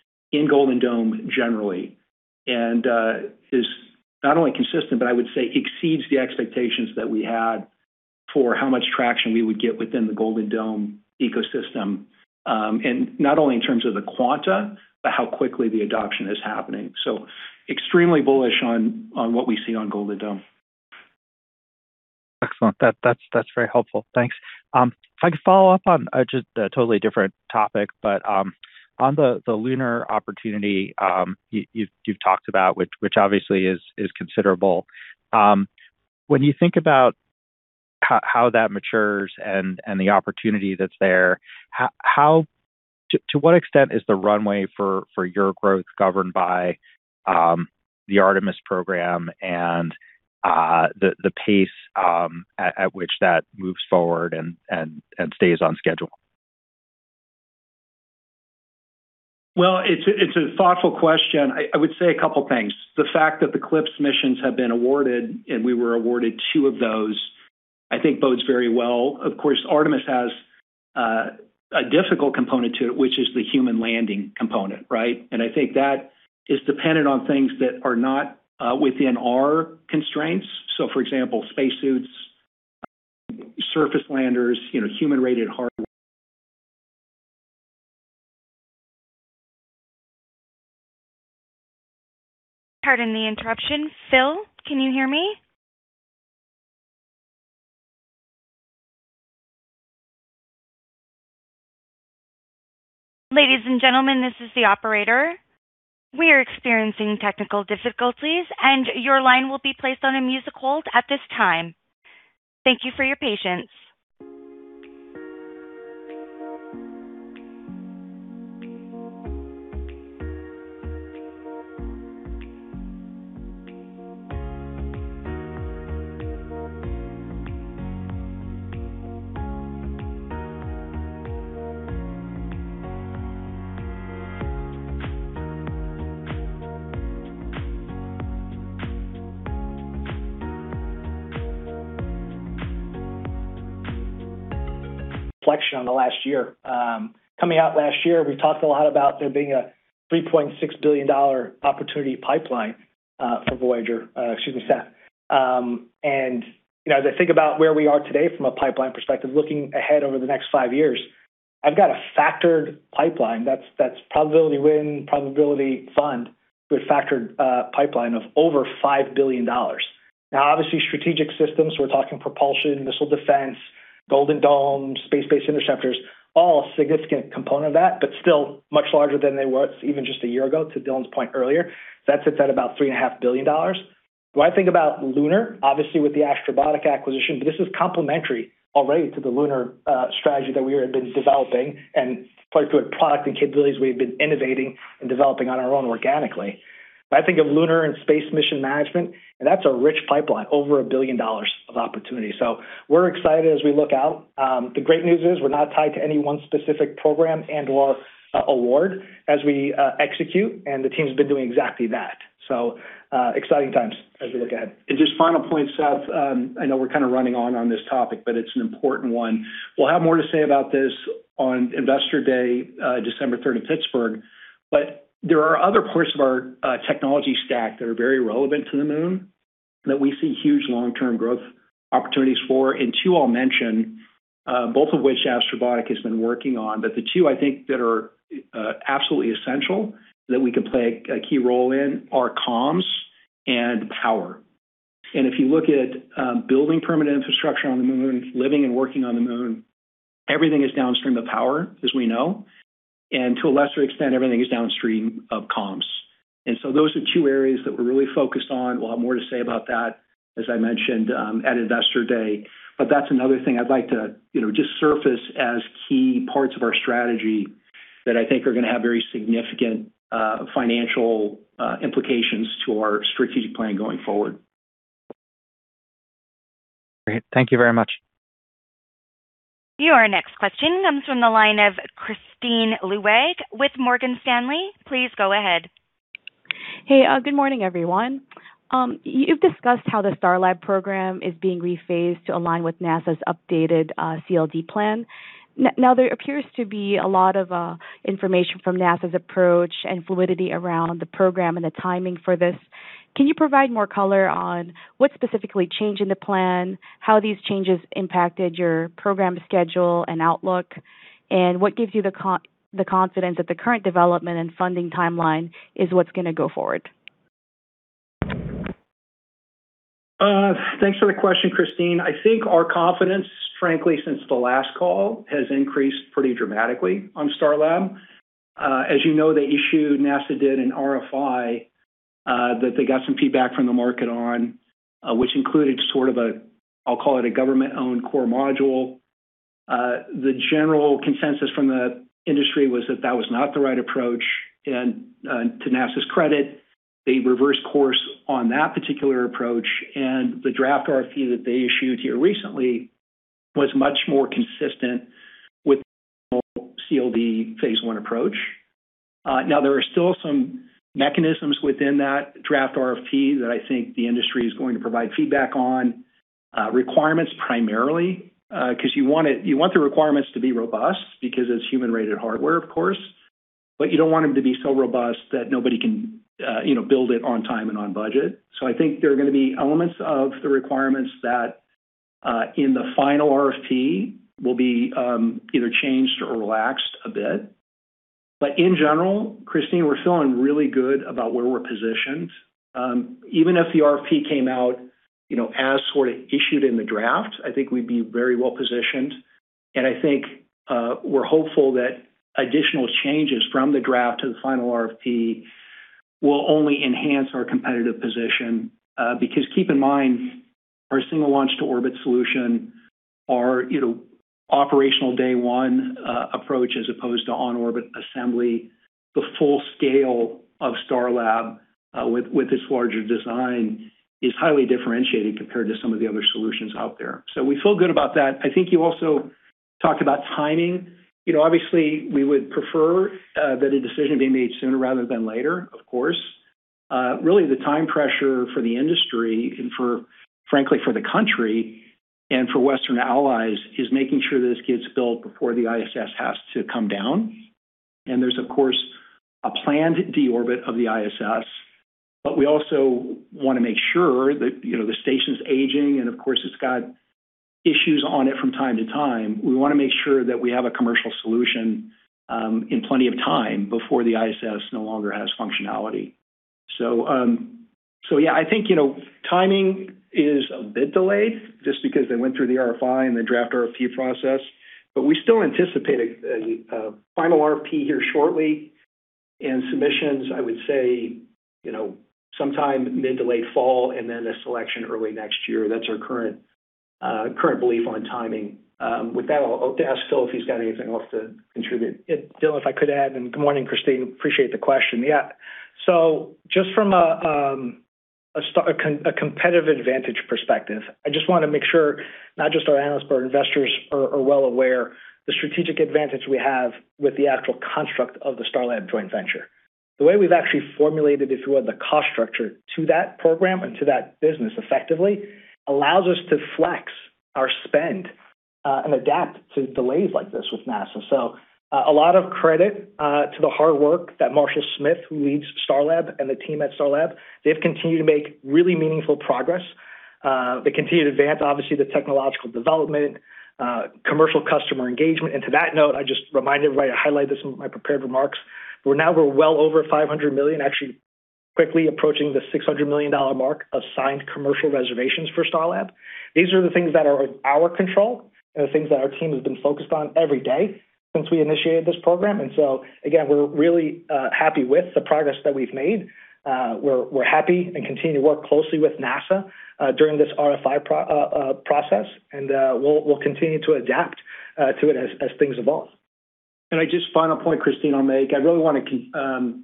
Golden Dome generally. Is not only consistent, but I would say exceeds the expectations that we had for how much traction we would get within the Golden Dome ecosystem. Not only in terms of the quanta, but how quickly the adoption is happening. Extremely bullish on what we see on Golden Dome.
Excellent. That's very helpful. Thanks. If I could follow up on just a totally different topic, but on the lunar opportunity you've talked about, which obviously is considerable. When you think about how that matures and the opportunity that's there, to what extent is the runway for your growth governed by the Artemis program and the pace at which that moves forward and stays on schedule?
It's a thoughtful question. I would say a couple of things. The fact that the CLPS missions have been awarded, and we were awarded two of those, I think bodes very well. Of course, Artemis has a difficult component to it, which is the human landing component, right? I think that is dependent on things that are not within our constraints. For example, spacesuits, surface landers, human-rated hardware.
Pardon the interruption. Phil, can you hear me? Ladies and gentlemen, this is the operator. We are experiencing technical difficulties, and your line will be placed on a music hold at this time. Thank you for your patience.
Reflection on the last year. Coming out last year, we talked a lot about there being a $3.6 billion opportunity pipeline for Voyager, excuse me, Seth. As I think about where we are today from a pipeline perspective, looking ahead over the next five years, I've got a factored pipeline that's probability win, probability fund to a factored pipeline of over $5 billion. Obviously, strategic systems, we're talking propulsion, missile defense, Golden Dome, Space-Based Interceptors, all a significant component of that, but still much larger than they were even just a year ago, to Dylan's point earlier. That sits at about $3.5 billion. When I think about lunar, obviously with the Astrobotic acquisition, but this is complementary already to the lunar strategy that we have been developing and particularly product and capabilities we've been innovating and developing on our own organically. I think of lunar and space mission management, and that's a rich pipeline, over $1 billion of opportunity. We're excited as we look out. The great news is we're not tied to any one specific program and/or award as we execute, and the team's been doing exactly that. Exciting times as we look ahead.
Just final point, Seth, I know we're kind of running on this topic, but it's an important one. We'll have more to say about this on Investor Day, December 3rd in Pittsburgh. There are other parts of our technology stack that are very relevant to the moon that we see huge long-term growth opportunities for. Two I'll mention, both of which Astrobotic has been working on. The two I think that are absolutely essential that we can play a key role in are comms and power. If you look at building permanent infrastructure on the moon, living and working on the moon, everything is downstream of power, as we know. To a lesser extent, everything is downstream of comms. Those are two areas that we're really focused on. We'll have more to say about that, as I mentioned, at Investor Day. That's another thing I'd like to just surface as key parts of our strategy that I think are going to have very significant financial implications to our strategic plan going forward.
Great. Thank you very much.
Your next question comes from the line of Christine Lu with Morgan Stanley. Please go ahead.
Hey, good morning, everyone. You've discussed how the Starlab program is being rephased to align with NASA's updated CLD plan. There appears to be a lot of information from NASA's approach and fluidity around the program and the timing for this. Can you provide more color on what's specifically changing the plan, how these changes impacted your program schedule and outlook, and what gives you the confidence that the current development and funding timeline is what's going to go forward?
Thanks for the question, Christine. I think our confidence, frankly, since the last call, has increased pretty dramatically on Starlab. As you know, they issued, NASA did an RFI that they got some feedback from the market on, which included sort of a, I'll call it a government-owned core module. The general consensus from the industry was that that was not the right approach. To NASA's credit, they reversed course on that particular approach, and the draft RFP that they issued here recently was much more consistent with the original CLD phase 1 approach. There are still some mechanisms within that draft RFP that I think the industry is going to provide feedback on, requirements primarily, because you want the requirements to be robust because it's human-rated hardware, of course. You don't want them to be so robust that nobody can build it on time and on budget. I think there are going to be elements of the requirements that in the final RFP will be either changed or relaxed a bit In general, Christine, we're feeling really good about where we're positioned. Even if the RFP came out as sort of issued in the draft, I think we'd be very well-positioned. I think we're hopeful that additional changes from the draft to the final RFP will only enhance our competitive position. Keep in mind, our single launch to orbit solution, our operational day one approach as opposed to on-orbit assembly, the full scale of Starlab with this larger design is highly differentiated compared to some of the other solutions out there. We feel good about that. I think you also talked about timing. Obviously, we would prefer that a decision be made sooner rather than later, of course. Really, the time pressure for the industry and frankly for the country and for Western allies, is making sure that this gets built before the ISS has to come down. There's, of course, a planned deorbit of the ISS. We also want to make sure that, the station's aging and, of course, it's got issues on it from time to time. We want to make sure that we have a commercial solution in plenty of time before the ISS no longer has functionality. Yeah, I think, timing is a bit delayed just because they went through the RFI and the draft RFP process. We still anticipate a final RFP here shortly and submissions, I would say, sometime mid to late fall, and then the selection early next year. That's our current belief on timing. With that, I'll ask Phil if he's got anything else to contribute.
Dylan, if I could add, and good morning, Christine, appreciate the question. Yeah. Just from a competitive advantage perspective, I just want to make sure not just our analysts, but our investors are well aware the strategic advantage we have with the actual construct of the Starlab joint venture. The way we've actually formulated, if you will, the cost structure to that program and to that business effectively allows us to flex our spend and adapt to delays like this with NASA. A lot of credit to the hard work that Marsha Smith, who leads Starlab, and the team at Starlab. They've continued to make really meaningful progress. They continue to advance, obviously, the technological development, commercial customer engagement. To that note, I just remind everybody, I highlighted this in my prepared remarks. We're now well over $500 million, actually quickly approaching the $600 million mark of signed commercial reservations for Starlab. These are the things that are in our control and the things that our team has been focused on every day since we initiated this program. Again, we're really happy with the progress that we've made. We're happy and continue to work closely with NASA during this RFI process, we'll continue to adapt to it as things evolve.
Just final point, Christine, I'll make. I really want to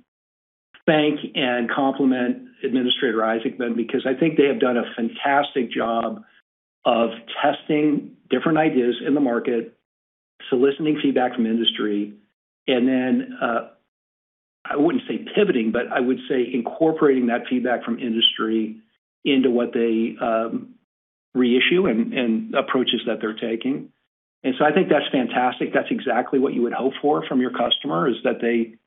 thank and compliment Administrator Isaacman because I think they have done a fantastic job of testing different ideas in the market, soliciting feedback from industry, then, I wouldn't say pivoting, but I would say incorporating that feedback from industry into what they reissue and approaches that they're taking. I think that's fantastic. That's exactly what you would hope for from your customer, is that they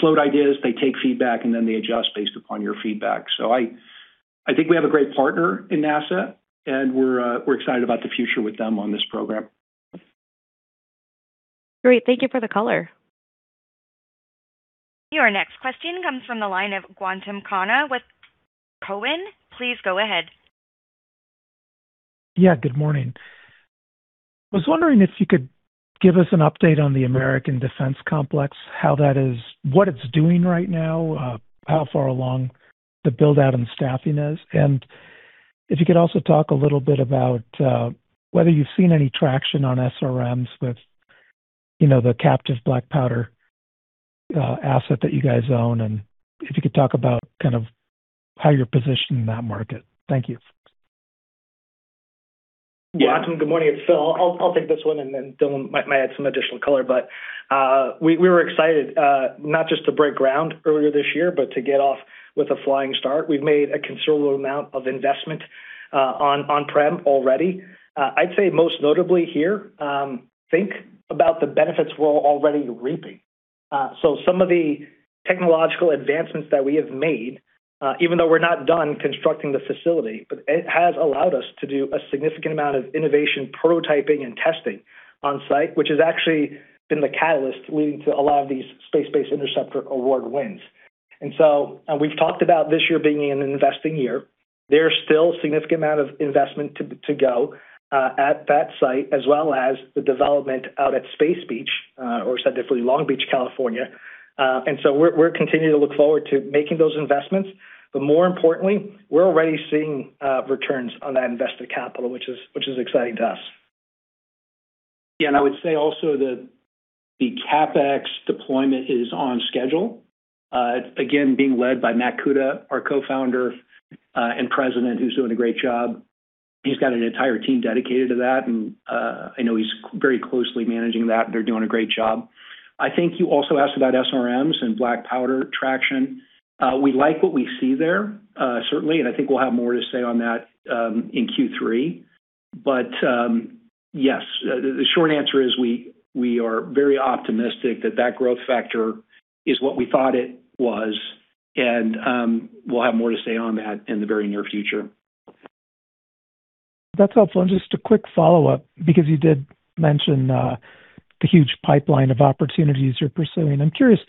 float ideas, they take feedback, then they adjust based upon your feedback. I think we have a great partner in NASA, we're excited about the future with them on this program.
Great. Thank you for the color.
Your next question comes from the line of Gautam Khanna with TD Cowen. Please go ahead.
Good morning. I was wondering if you could give us an update on the American Defense Complex, what it's doing right now, how far along the build-out and staffing is. If you could also talk a little bit about whether you've seen any traction on SRM with the captive black powder asset that you guys own, and if you could talk about kind of how you're positioned in that market. Thank you.
Yeah. Gautam, good morning. It's Phil. I'll take this one, and then Dylan might add some additional color. We were excited not just to break ground earlier this year, but to get off with a flying start. We've made a considerable amount of investment on prem already. I'd say most notably here, think about the benefits we're already reaping. Some of the technological advancements that we have made, even though we're not done constructing the facility, but it has allowed us to do a significant amount of innovation prototyping and testing on-site, which has actually been the catalyst leading to a lot of these Space-Based Interceptor award wins. We've talked about this year being an investing year. There's still a significant amount of investment to go at that site, as well as the development out at Space Beach, or specifically Long Beach, California. We're continuing to look forward to making those investments. But more importantly, we're already seeing returns on that invested capital, which is exciting to us.
I would say also that the CapEx deployment is on schedule. Again, being led by Matt Kuta, our Co-Founder and President, who's doing a great job. He's got an entire team dedicated to that, and I know he's very closely managing that. They're doing a great job. I think you also asked about SRM and black powder traction. We like what we see there, certainly, and I think we'll have more to say on that in Q3. But yes, the short answer is we are very optimistic that growth factor is what we thought it was, and we'll have more to say on that in the very near future.
That's helpful. Just a quick follow-up, because you did mention the huge pipeline of opportunities you're pursuing. I'm curious,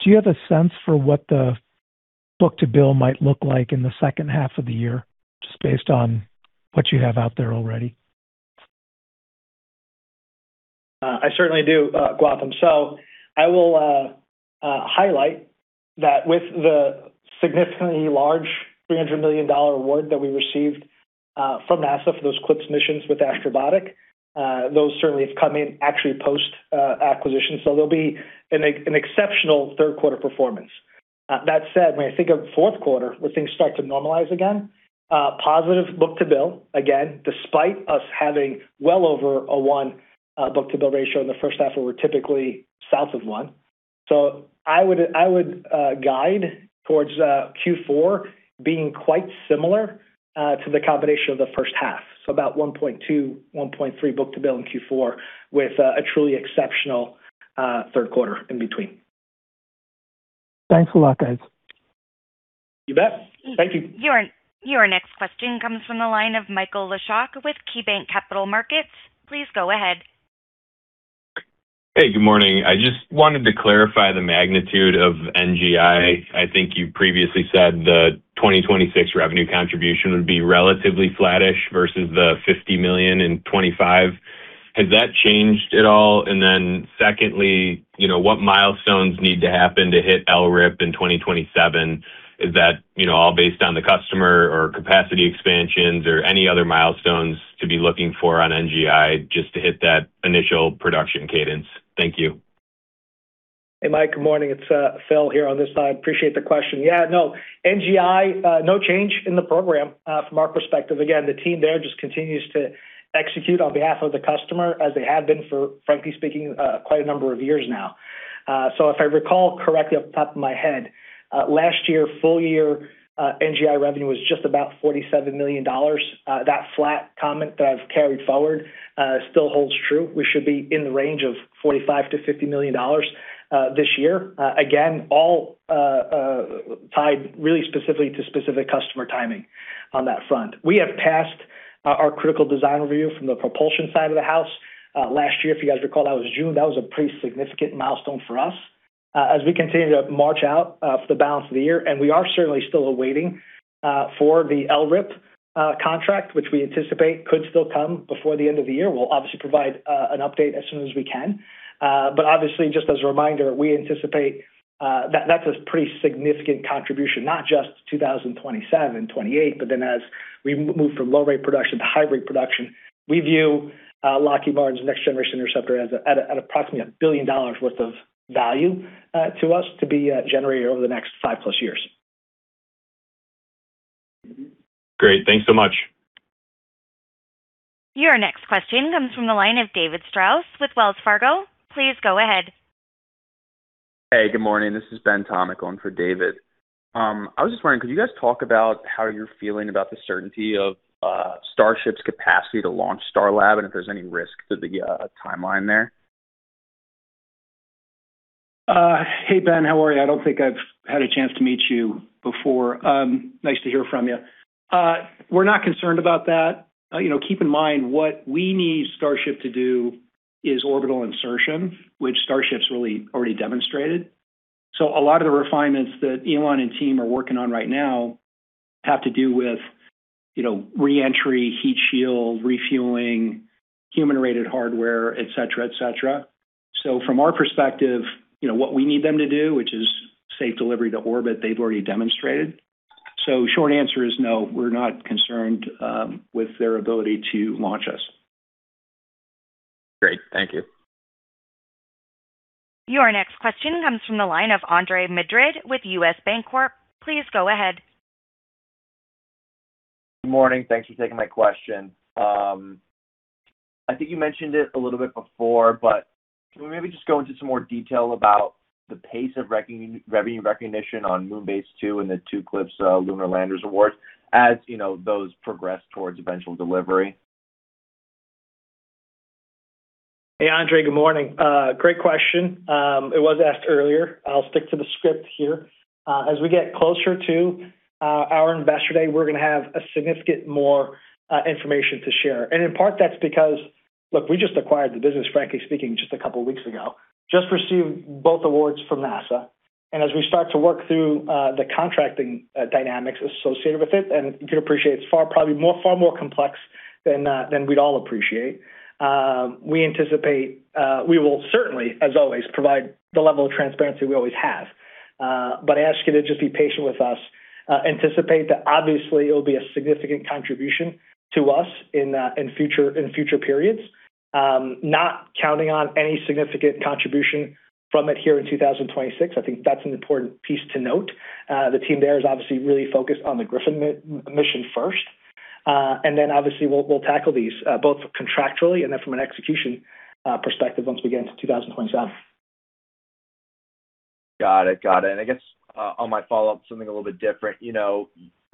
do you have a sense for what the book-to-bill might look like in the second half of the year, just based on what you have out there already?
I certainly do, Gautam. I will highlight that with the significantly large $300 million award that we received from NASA for those CLPS missions with Astrobotic, those certainly have come in actually post-acquisition, so there will be an exceptional third quarter performance. That said, when I think of fourth quarter, where things start to normalize again, positive book-to-bill, again, despite us having well over a one book-to-bill ratio in the first half where we are typically south of one. I would guide towards Q4 being quite similar to the combination of the first half. About 1.2, 1.3 book-to-bill in Q4 with a truly exceptional third quarter in between.
Thanks a lot, guys.
You bet. Thank you.
Your next question comes from the line of Michael Leshock with KeyBanc Capital Markets. Please go ahead.
Hey, good morning. I just wanted to clarify the magnitude of NGI. I think you previously said the 2026 revenue contribution would be relatively flattish versus the $50 million in 2025. Has that changed at all? Secondly, what milestones need to happen to hit LRIP in 2027? Is that all based on the customer or capacity expansions or any other milestones to be looking for on NGI just to hit that initial production cadence? Thank you.
Hey, Mike, good morning. It's Phil here on this side. Appreciate the question. NGI, no change in the program from our perspective. Again, the team there just continues to execute on behalf of the customer as they have been for, frankly speaking, quite a number of years now. If I recall correctly off the top of my head, last year, full year NGI revenue was just about $47 million. That flat comment that I've carried forward still holds true. We should be in the range of $45 million-$50 million this year. Again, all tied really specifically to specific customer timing on that front. We have passed our critical design review from the propulsion side of the house. Last year, if you guys recall, that was June. That was a pretty significant milestone for us. As we continue to march out for the balance of the year, we are certainly still awaiting for the LRIP contract, which we anticipate could still come before the end of the year. We'll obviously provide an update as soon as we can. Obviously, just as a reminder, we anticipate that that's a pretty significant contribution, not just 2027 and 2028, as we move from low rate production to high rate production. We view Lockheed Martin's Next Generation Interceptor at approximately $1 billion worth of value to us to be generated over the next five-plus years.
Great. Thanks so much.
Your next question comes from the line of David Strauss with Wells Fargo. Please go ahead.
Hey, good morning. This is Ben Tomick on for David. I was just wondering, could you guys talk about how you're feeling about the certainty of Starship's capacity to launch Starlab, and if there's any risk to the timeline there?
Hey, Ben. How are you? I don't think I've had a chance to meet you before. Nice to hear from you. We're not concerned about that. Keep in mind, what we need Starship to do is orbital insertion, which Starship's really already demonstrated. A lot of the refinements that Elon and team are working on right now have to do with reentry, heat shield, refueling, human-rated hardware, et cetera. From our perspective, what we need them to do, which is safe delivery to orbit, they've already demonstrated. Short answer is no, we're not concerned with their ability to launch us.
Great. Thank you.
Your next question comes from the line of Andre Madrid with BTIG. Please go ahead.
Good morning. Thanks for taking my question. I think you mentioned it a little bit before, but can we maybe just go into some more detail about the pace of revenue recognition on Moon Base 2 and the two CLPS Lunar Landers awards as those progress towards eventual delivery?
Hey, Andre. Good morning. Great question. It was asked earlier. I'll stick to the script here. As we get closer to our Investor Day, we're gonna have a significant more information to share. In part, that's because, look, we just acquired the business, frankly speaking, just a couple of weeks ago, just received both awards from NASA. As we start to work through the contracting dynamics associated with it, and you can appreciate it's far, probably more, far more complex than we'd all appreciate. We anticipate we will certainly, as always, provide the level of transparency we always have. I ask you to just be patient with us. Anticipate that obviously it will be a significant contribution to us in future periods. Not counting on any significant contribution from it here in 2026. I think that's an important piece to note. The team there is obviously really focused on the Griffin mission first. Then obviously we'll tackle these both contractually and then from an execution perspective once we get into 2027.
Got it. I guess on my follow-up, something a little bit different.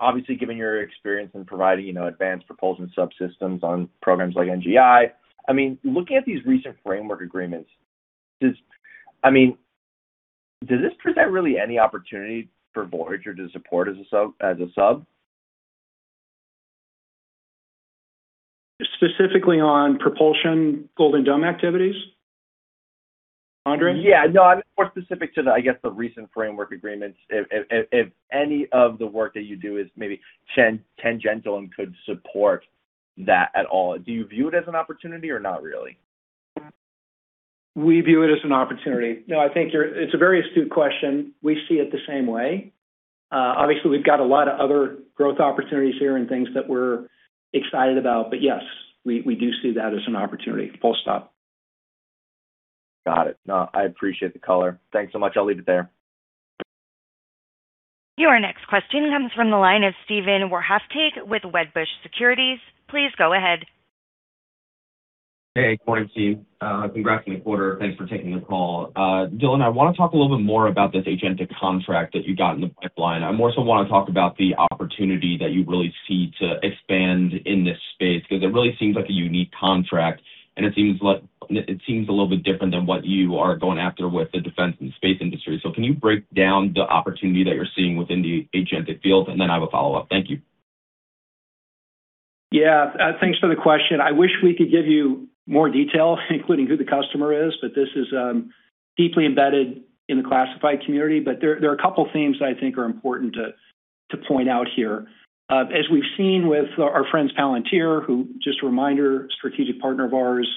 Obviously given your experience in providing advanced propulsion subsystems on programs like NGI, I mean, looking at these recent framework agreements, I mean, does this present really any opportunity for Voyager to support as a sub?
Specifically on propulsion Golden Dome activities? Pondering?
Yeah, no, I meant more specific to the, I guess, the recent framework agreements. If any of the work that you do is maybe tangential and could support that at all. Do you view it as an opportunity or not really?
We view it as an opportunity. No, I think it's a very astute question. We see it the same way. Obviously, we've got a lot of other growth opportunities here and things that we're excited about. Yes, we do see that as an opportunity, full stop.
Got it. No, I appreciate the color. Thanks so much. I'll leave it there.
Your next question comes from the line of Steven Wieczynski with Stifel. Please go ahead.
Hey, good morning to you. Congrats on the quarter. Thanks for taking the call. Dylan, I want to talk a little bit more about this agentic contract that you got in the pipeline. I more so want to talk about the opportunity that you really see to expand in this space, because it really seems like a unique contract, and it seems a little bit different than what you are going after with the defense and space industry. Can you break down the opportunity that you're seeing within the agentic field? I have a follow-up. Thank you.
Yeah. Thanks for the question. I wish we could give you more detail, including who the customer is, this is deeply embedded in the classified community. There are a couple themes that I think are important to point out here. As we've seen with our friends, Palantir, who, just a reminder, strategic partner of ours,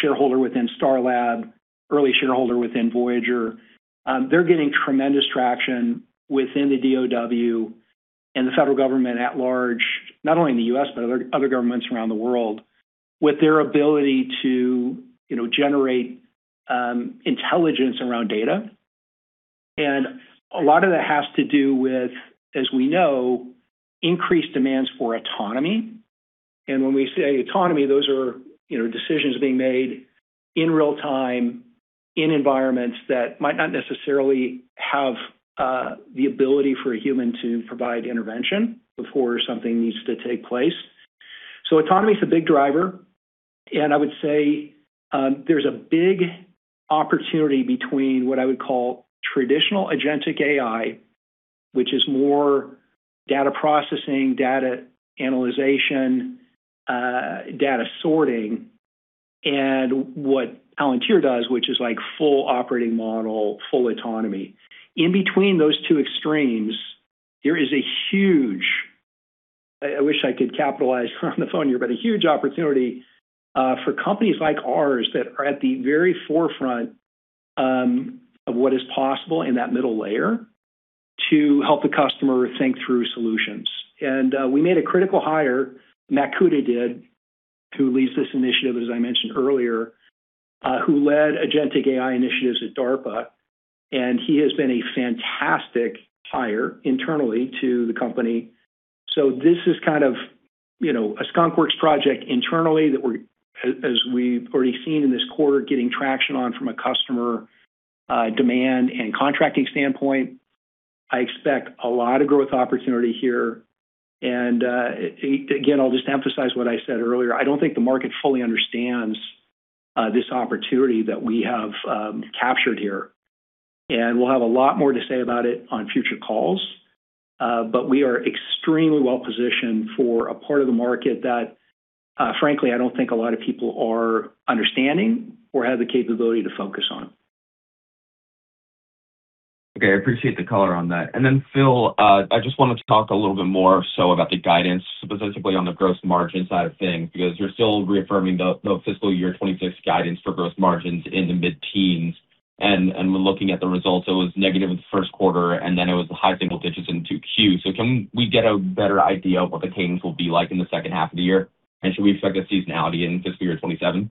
shareholder within Starlab, early shareholder within Voyager. They're getting tremendous traction within the DoD and the federal government at large, not only in the U.S., but other governments around the world, with their ability to generate intelligence around data. A lot of that has to do with, as we know, increased demands for autonomy. When we say autonomy, those are decisions being made in real-time in environments that might not necessarily have the ability for a human to provide intervention before something needs to take place. Autonomy is a big driver, and I would say there's a big opportunity between what I would call traditional agentic AI, which is more data processing, data analyzation, data sorting, and what Palantir does, which is full operating model, full autonomy. In between those two extremes, there is a huge, I wish I could capitalize on the phone here, but a huge opportunity for companies like ours that are at the very forefront of what is possible in that middle layer to help the customer think through solutions. We made a critical hire, Matt Kuta did, who leads this initiative, as I mentioned earlier, who led agentic AI initiatives at DARPA, and he has been a fantastic hire internally to the company. This is kind of a skunkworks project internally that as we've already seen in this quarter, getting traction on from a customer demand and contracting standpoint. I expect a lot of growth opportunity here. Again, I'll just emphasize what I said earlier. I don't think the market fully understands this opportunity that we have captured here, and we'll have a lot more to say about it on future calls. We are extremely well-positioned for a part of the market that, frankly, I don't think a lot of people are understanding or have the capability to focus on.
Okay. I appreciate the color on that. Phil, I just wanted to talk a little bit more so about the guidance, specifically on the gross margin side of things, because you're still reaffirming the FY 2026 guidance for gross margins in the mid-teens. When looking at the results, it was negative in the first quarter, and then it was the high single digits in 2Q. Can we get a better idea of what the cadence will be like in the second half of the year? Should we expect a seasonality in FY 2027?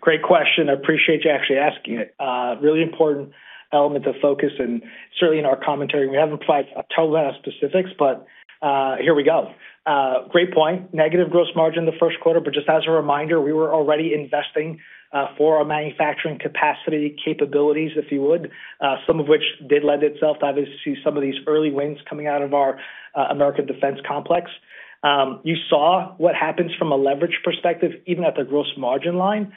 Great question. I appreciate you actually asking it. A really important element of focus, and certainly in our commentary, we haven't provided a ton of specifics, but here we go. Great point. Negative gross margin in the first quarter, but just as a reminder, we were already investing for our manufacturing capacity capabilities, if you would. Some of which did lend itself to obviously some of these early wins coming out of our American Defense Complex. You saw what happens from a leverage perspective, even at the gross margin line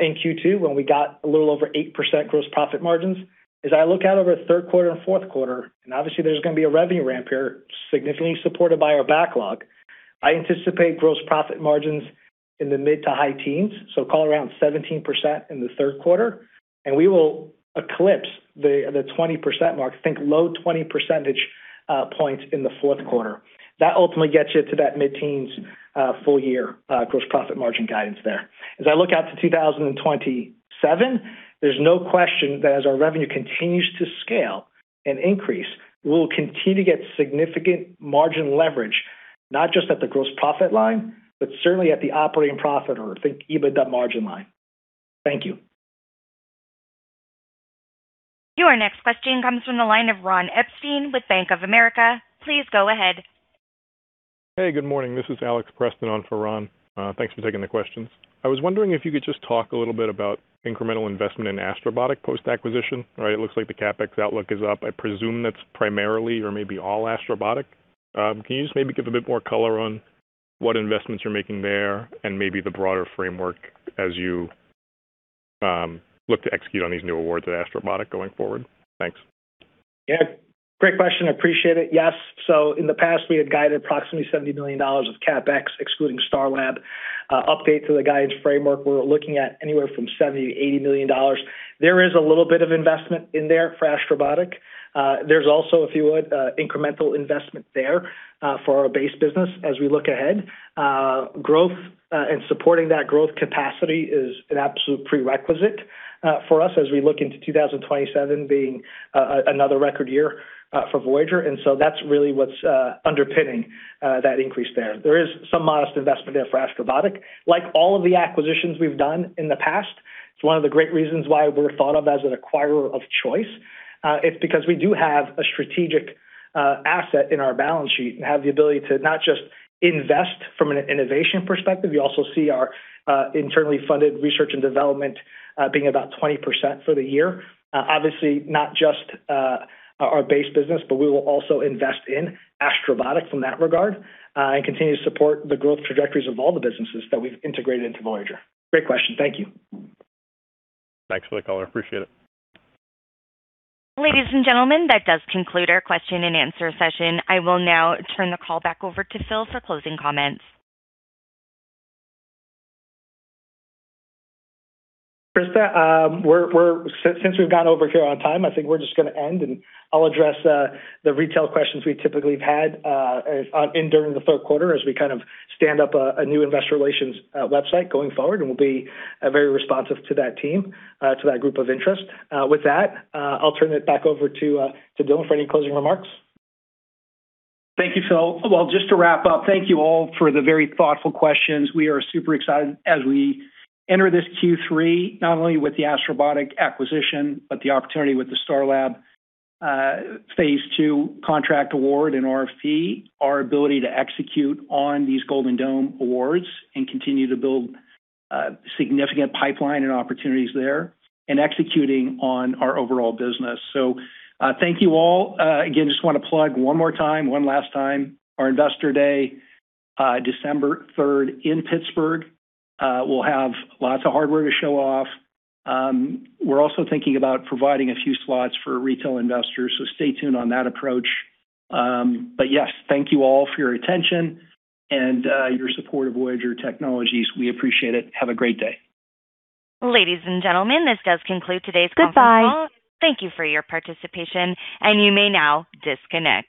in Q2 when we got a little over 8% gross profit margins. As I look out over third quarter and fourth quarter, and obviously there's going to be a revenue ramp here, significantly supported by our backlog. I anticipate gross profit margins in the mid to high teens, so call it around 17% in the third quarter, and we will eclipse the 20% mark, think low 20 percentage points in the fourth quarter. That ultimately gets you to that mid-teens full-year gross profit margin guidance there. As I look out to 2027, there's no question that as our revenue continues to scale and increase, we will continue to get significant margin leverage, not just at the gross profit line, but certainly at the operating profit or think EBITDA margin line. Thank you.
Your next question comes from the line of Ron Epstein with Bank of America. Please go ahead.
Hey, good morning. This is Alex Preston on for Ron. Thanks for taking the questions. I was wondering if you could just talk a little bit about incremental investment in Astrobotic post-acquisition. It looks like the CapEx outlook is up. I presume that's primarily or maybe all Astrobotic. Can you just maybe give a bit more color on what investments you're making there, and maybe the broader framework as you look to execute on these new awards at Astrobotic going forward. Thanks.
Yeah, great question. Appreciate it. Yes. In the past, we had guided approximately $70 million of CapEx, excluding Starlab. Update to the guidance framework, we're looking at anywhere from $70 million-$80 million. There is a little bit of investment in there for Astrobotic. There's also, if you would, incremental investment there, for our base business as we look ahead. Growth, and supporting that growth capacity is an absolute prerequisite for us as we look into 2027 being another record year for Voyager. That's really what's underpinning that increase there. There is some modest investment there for Astrobotic. Like all of the acquisitions we've done in the past, it's one of the great reasons why we're thought of as an acquirer of choice, it's because we do have a strategic asset in our balance sheet and have the ability to not just invest from an innovation perspective. You also see our internally funded research and development being about 20% for the year. Obviously, not just our base business, but we will also invest in Astrobotic in that regard, and continue to support the growth trajectories of all the businesses that we've integrated into Voyager. Great question. Thank you.
Thanks for the color. Appreciate it.
Ladies and gentlemen, that does conclude our question and answer session. I will now turn the call back over to Phil for closing comments.
Operator, since we've gone over here on time, I think we're just gonna end, I'll address the retail questions we typically have had in during the third quarter as we kind of stand up a new investor relations website going forward, we'll be very responsive to that team, to that group of interest. With that, I'll turn it back over to Dylan for any closing remarks.
Thank you, Phil. Well, just to wrap up, thank you all for the very thoughtful questions. We are super excited as we enter this Q3, not only with the Astrobotic acquisition, but the opportunity with the Starlab phase 2 contract award and RFP, our ability to execute on these Golden Dome awards and continue to build significant pipeline and opportunities there, executing on our overall business. Thank you all. Again, just wanna plug one more time, one last time, our Investor Day, December 3rd in Pittsburgh. We'll have lots of hardware to show off. We're also thinking about providing a few slots for retail investors, stay tuned on that approach. Yes, thank you all for your attention and your support of Voyager Technologies. We appreciate it. Have a great day.
Ladies and gentlemen, this does conclude today's conference call. Goodbye. Thank you for your participation, and you may now disconnect.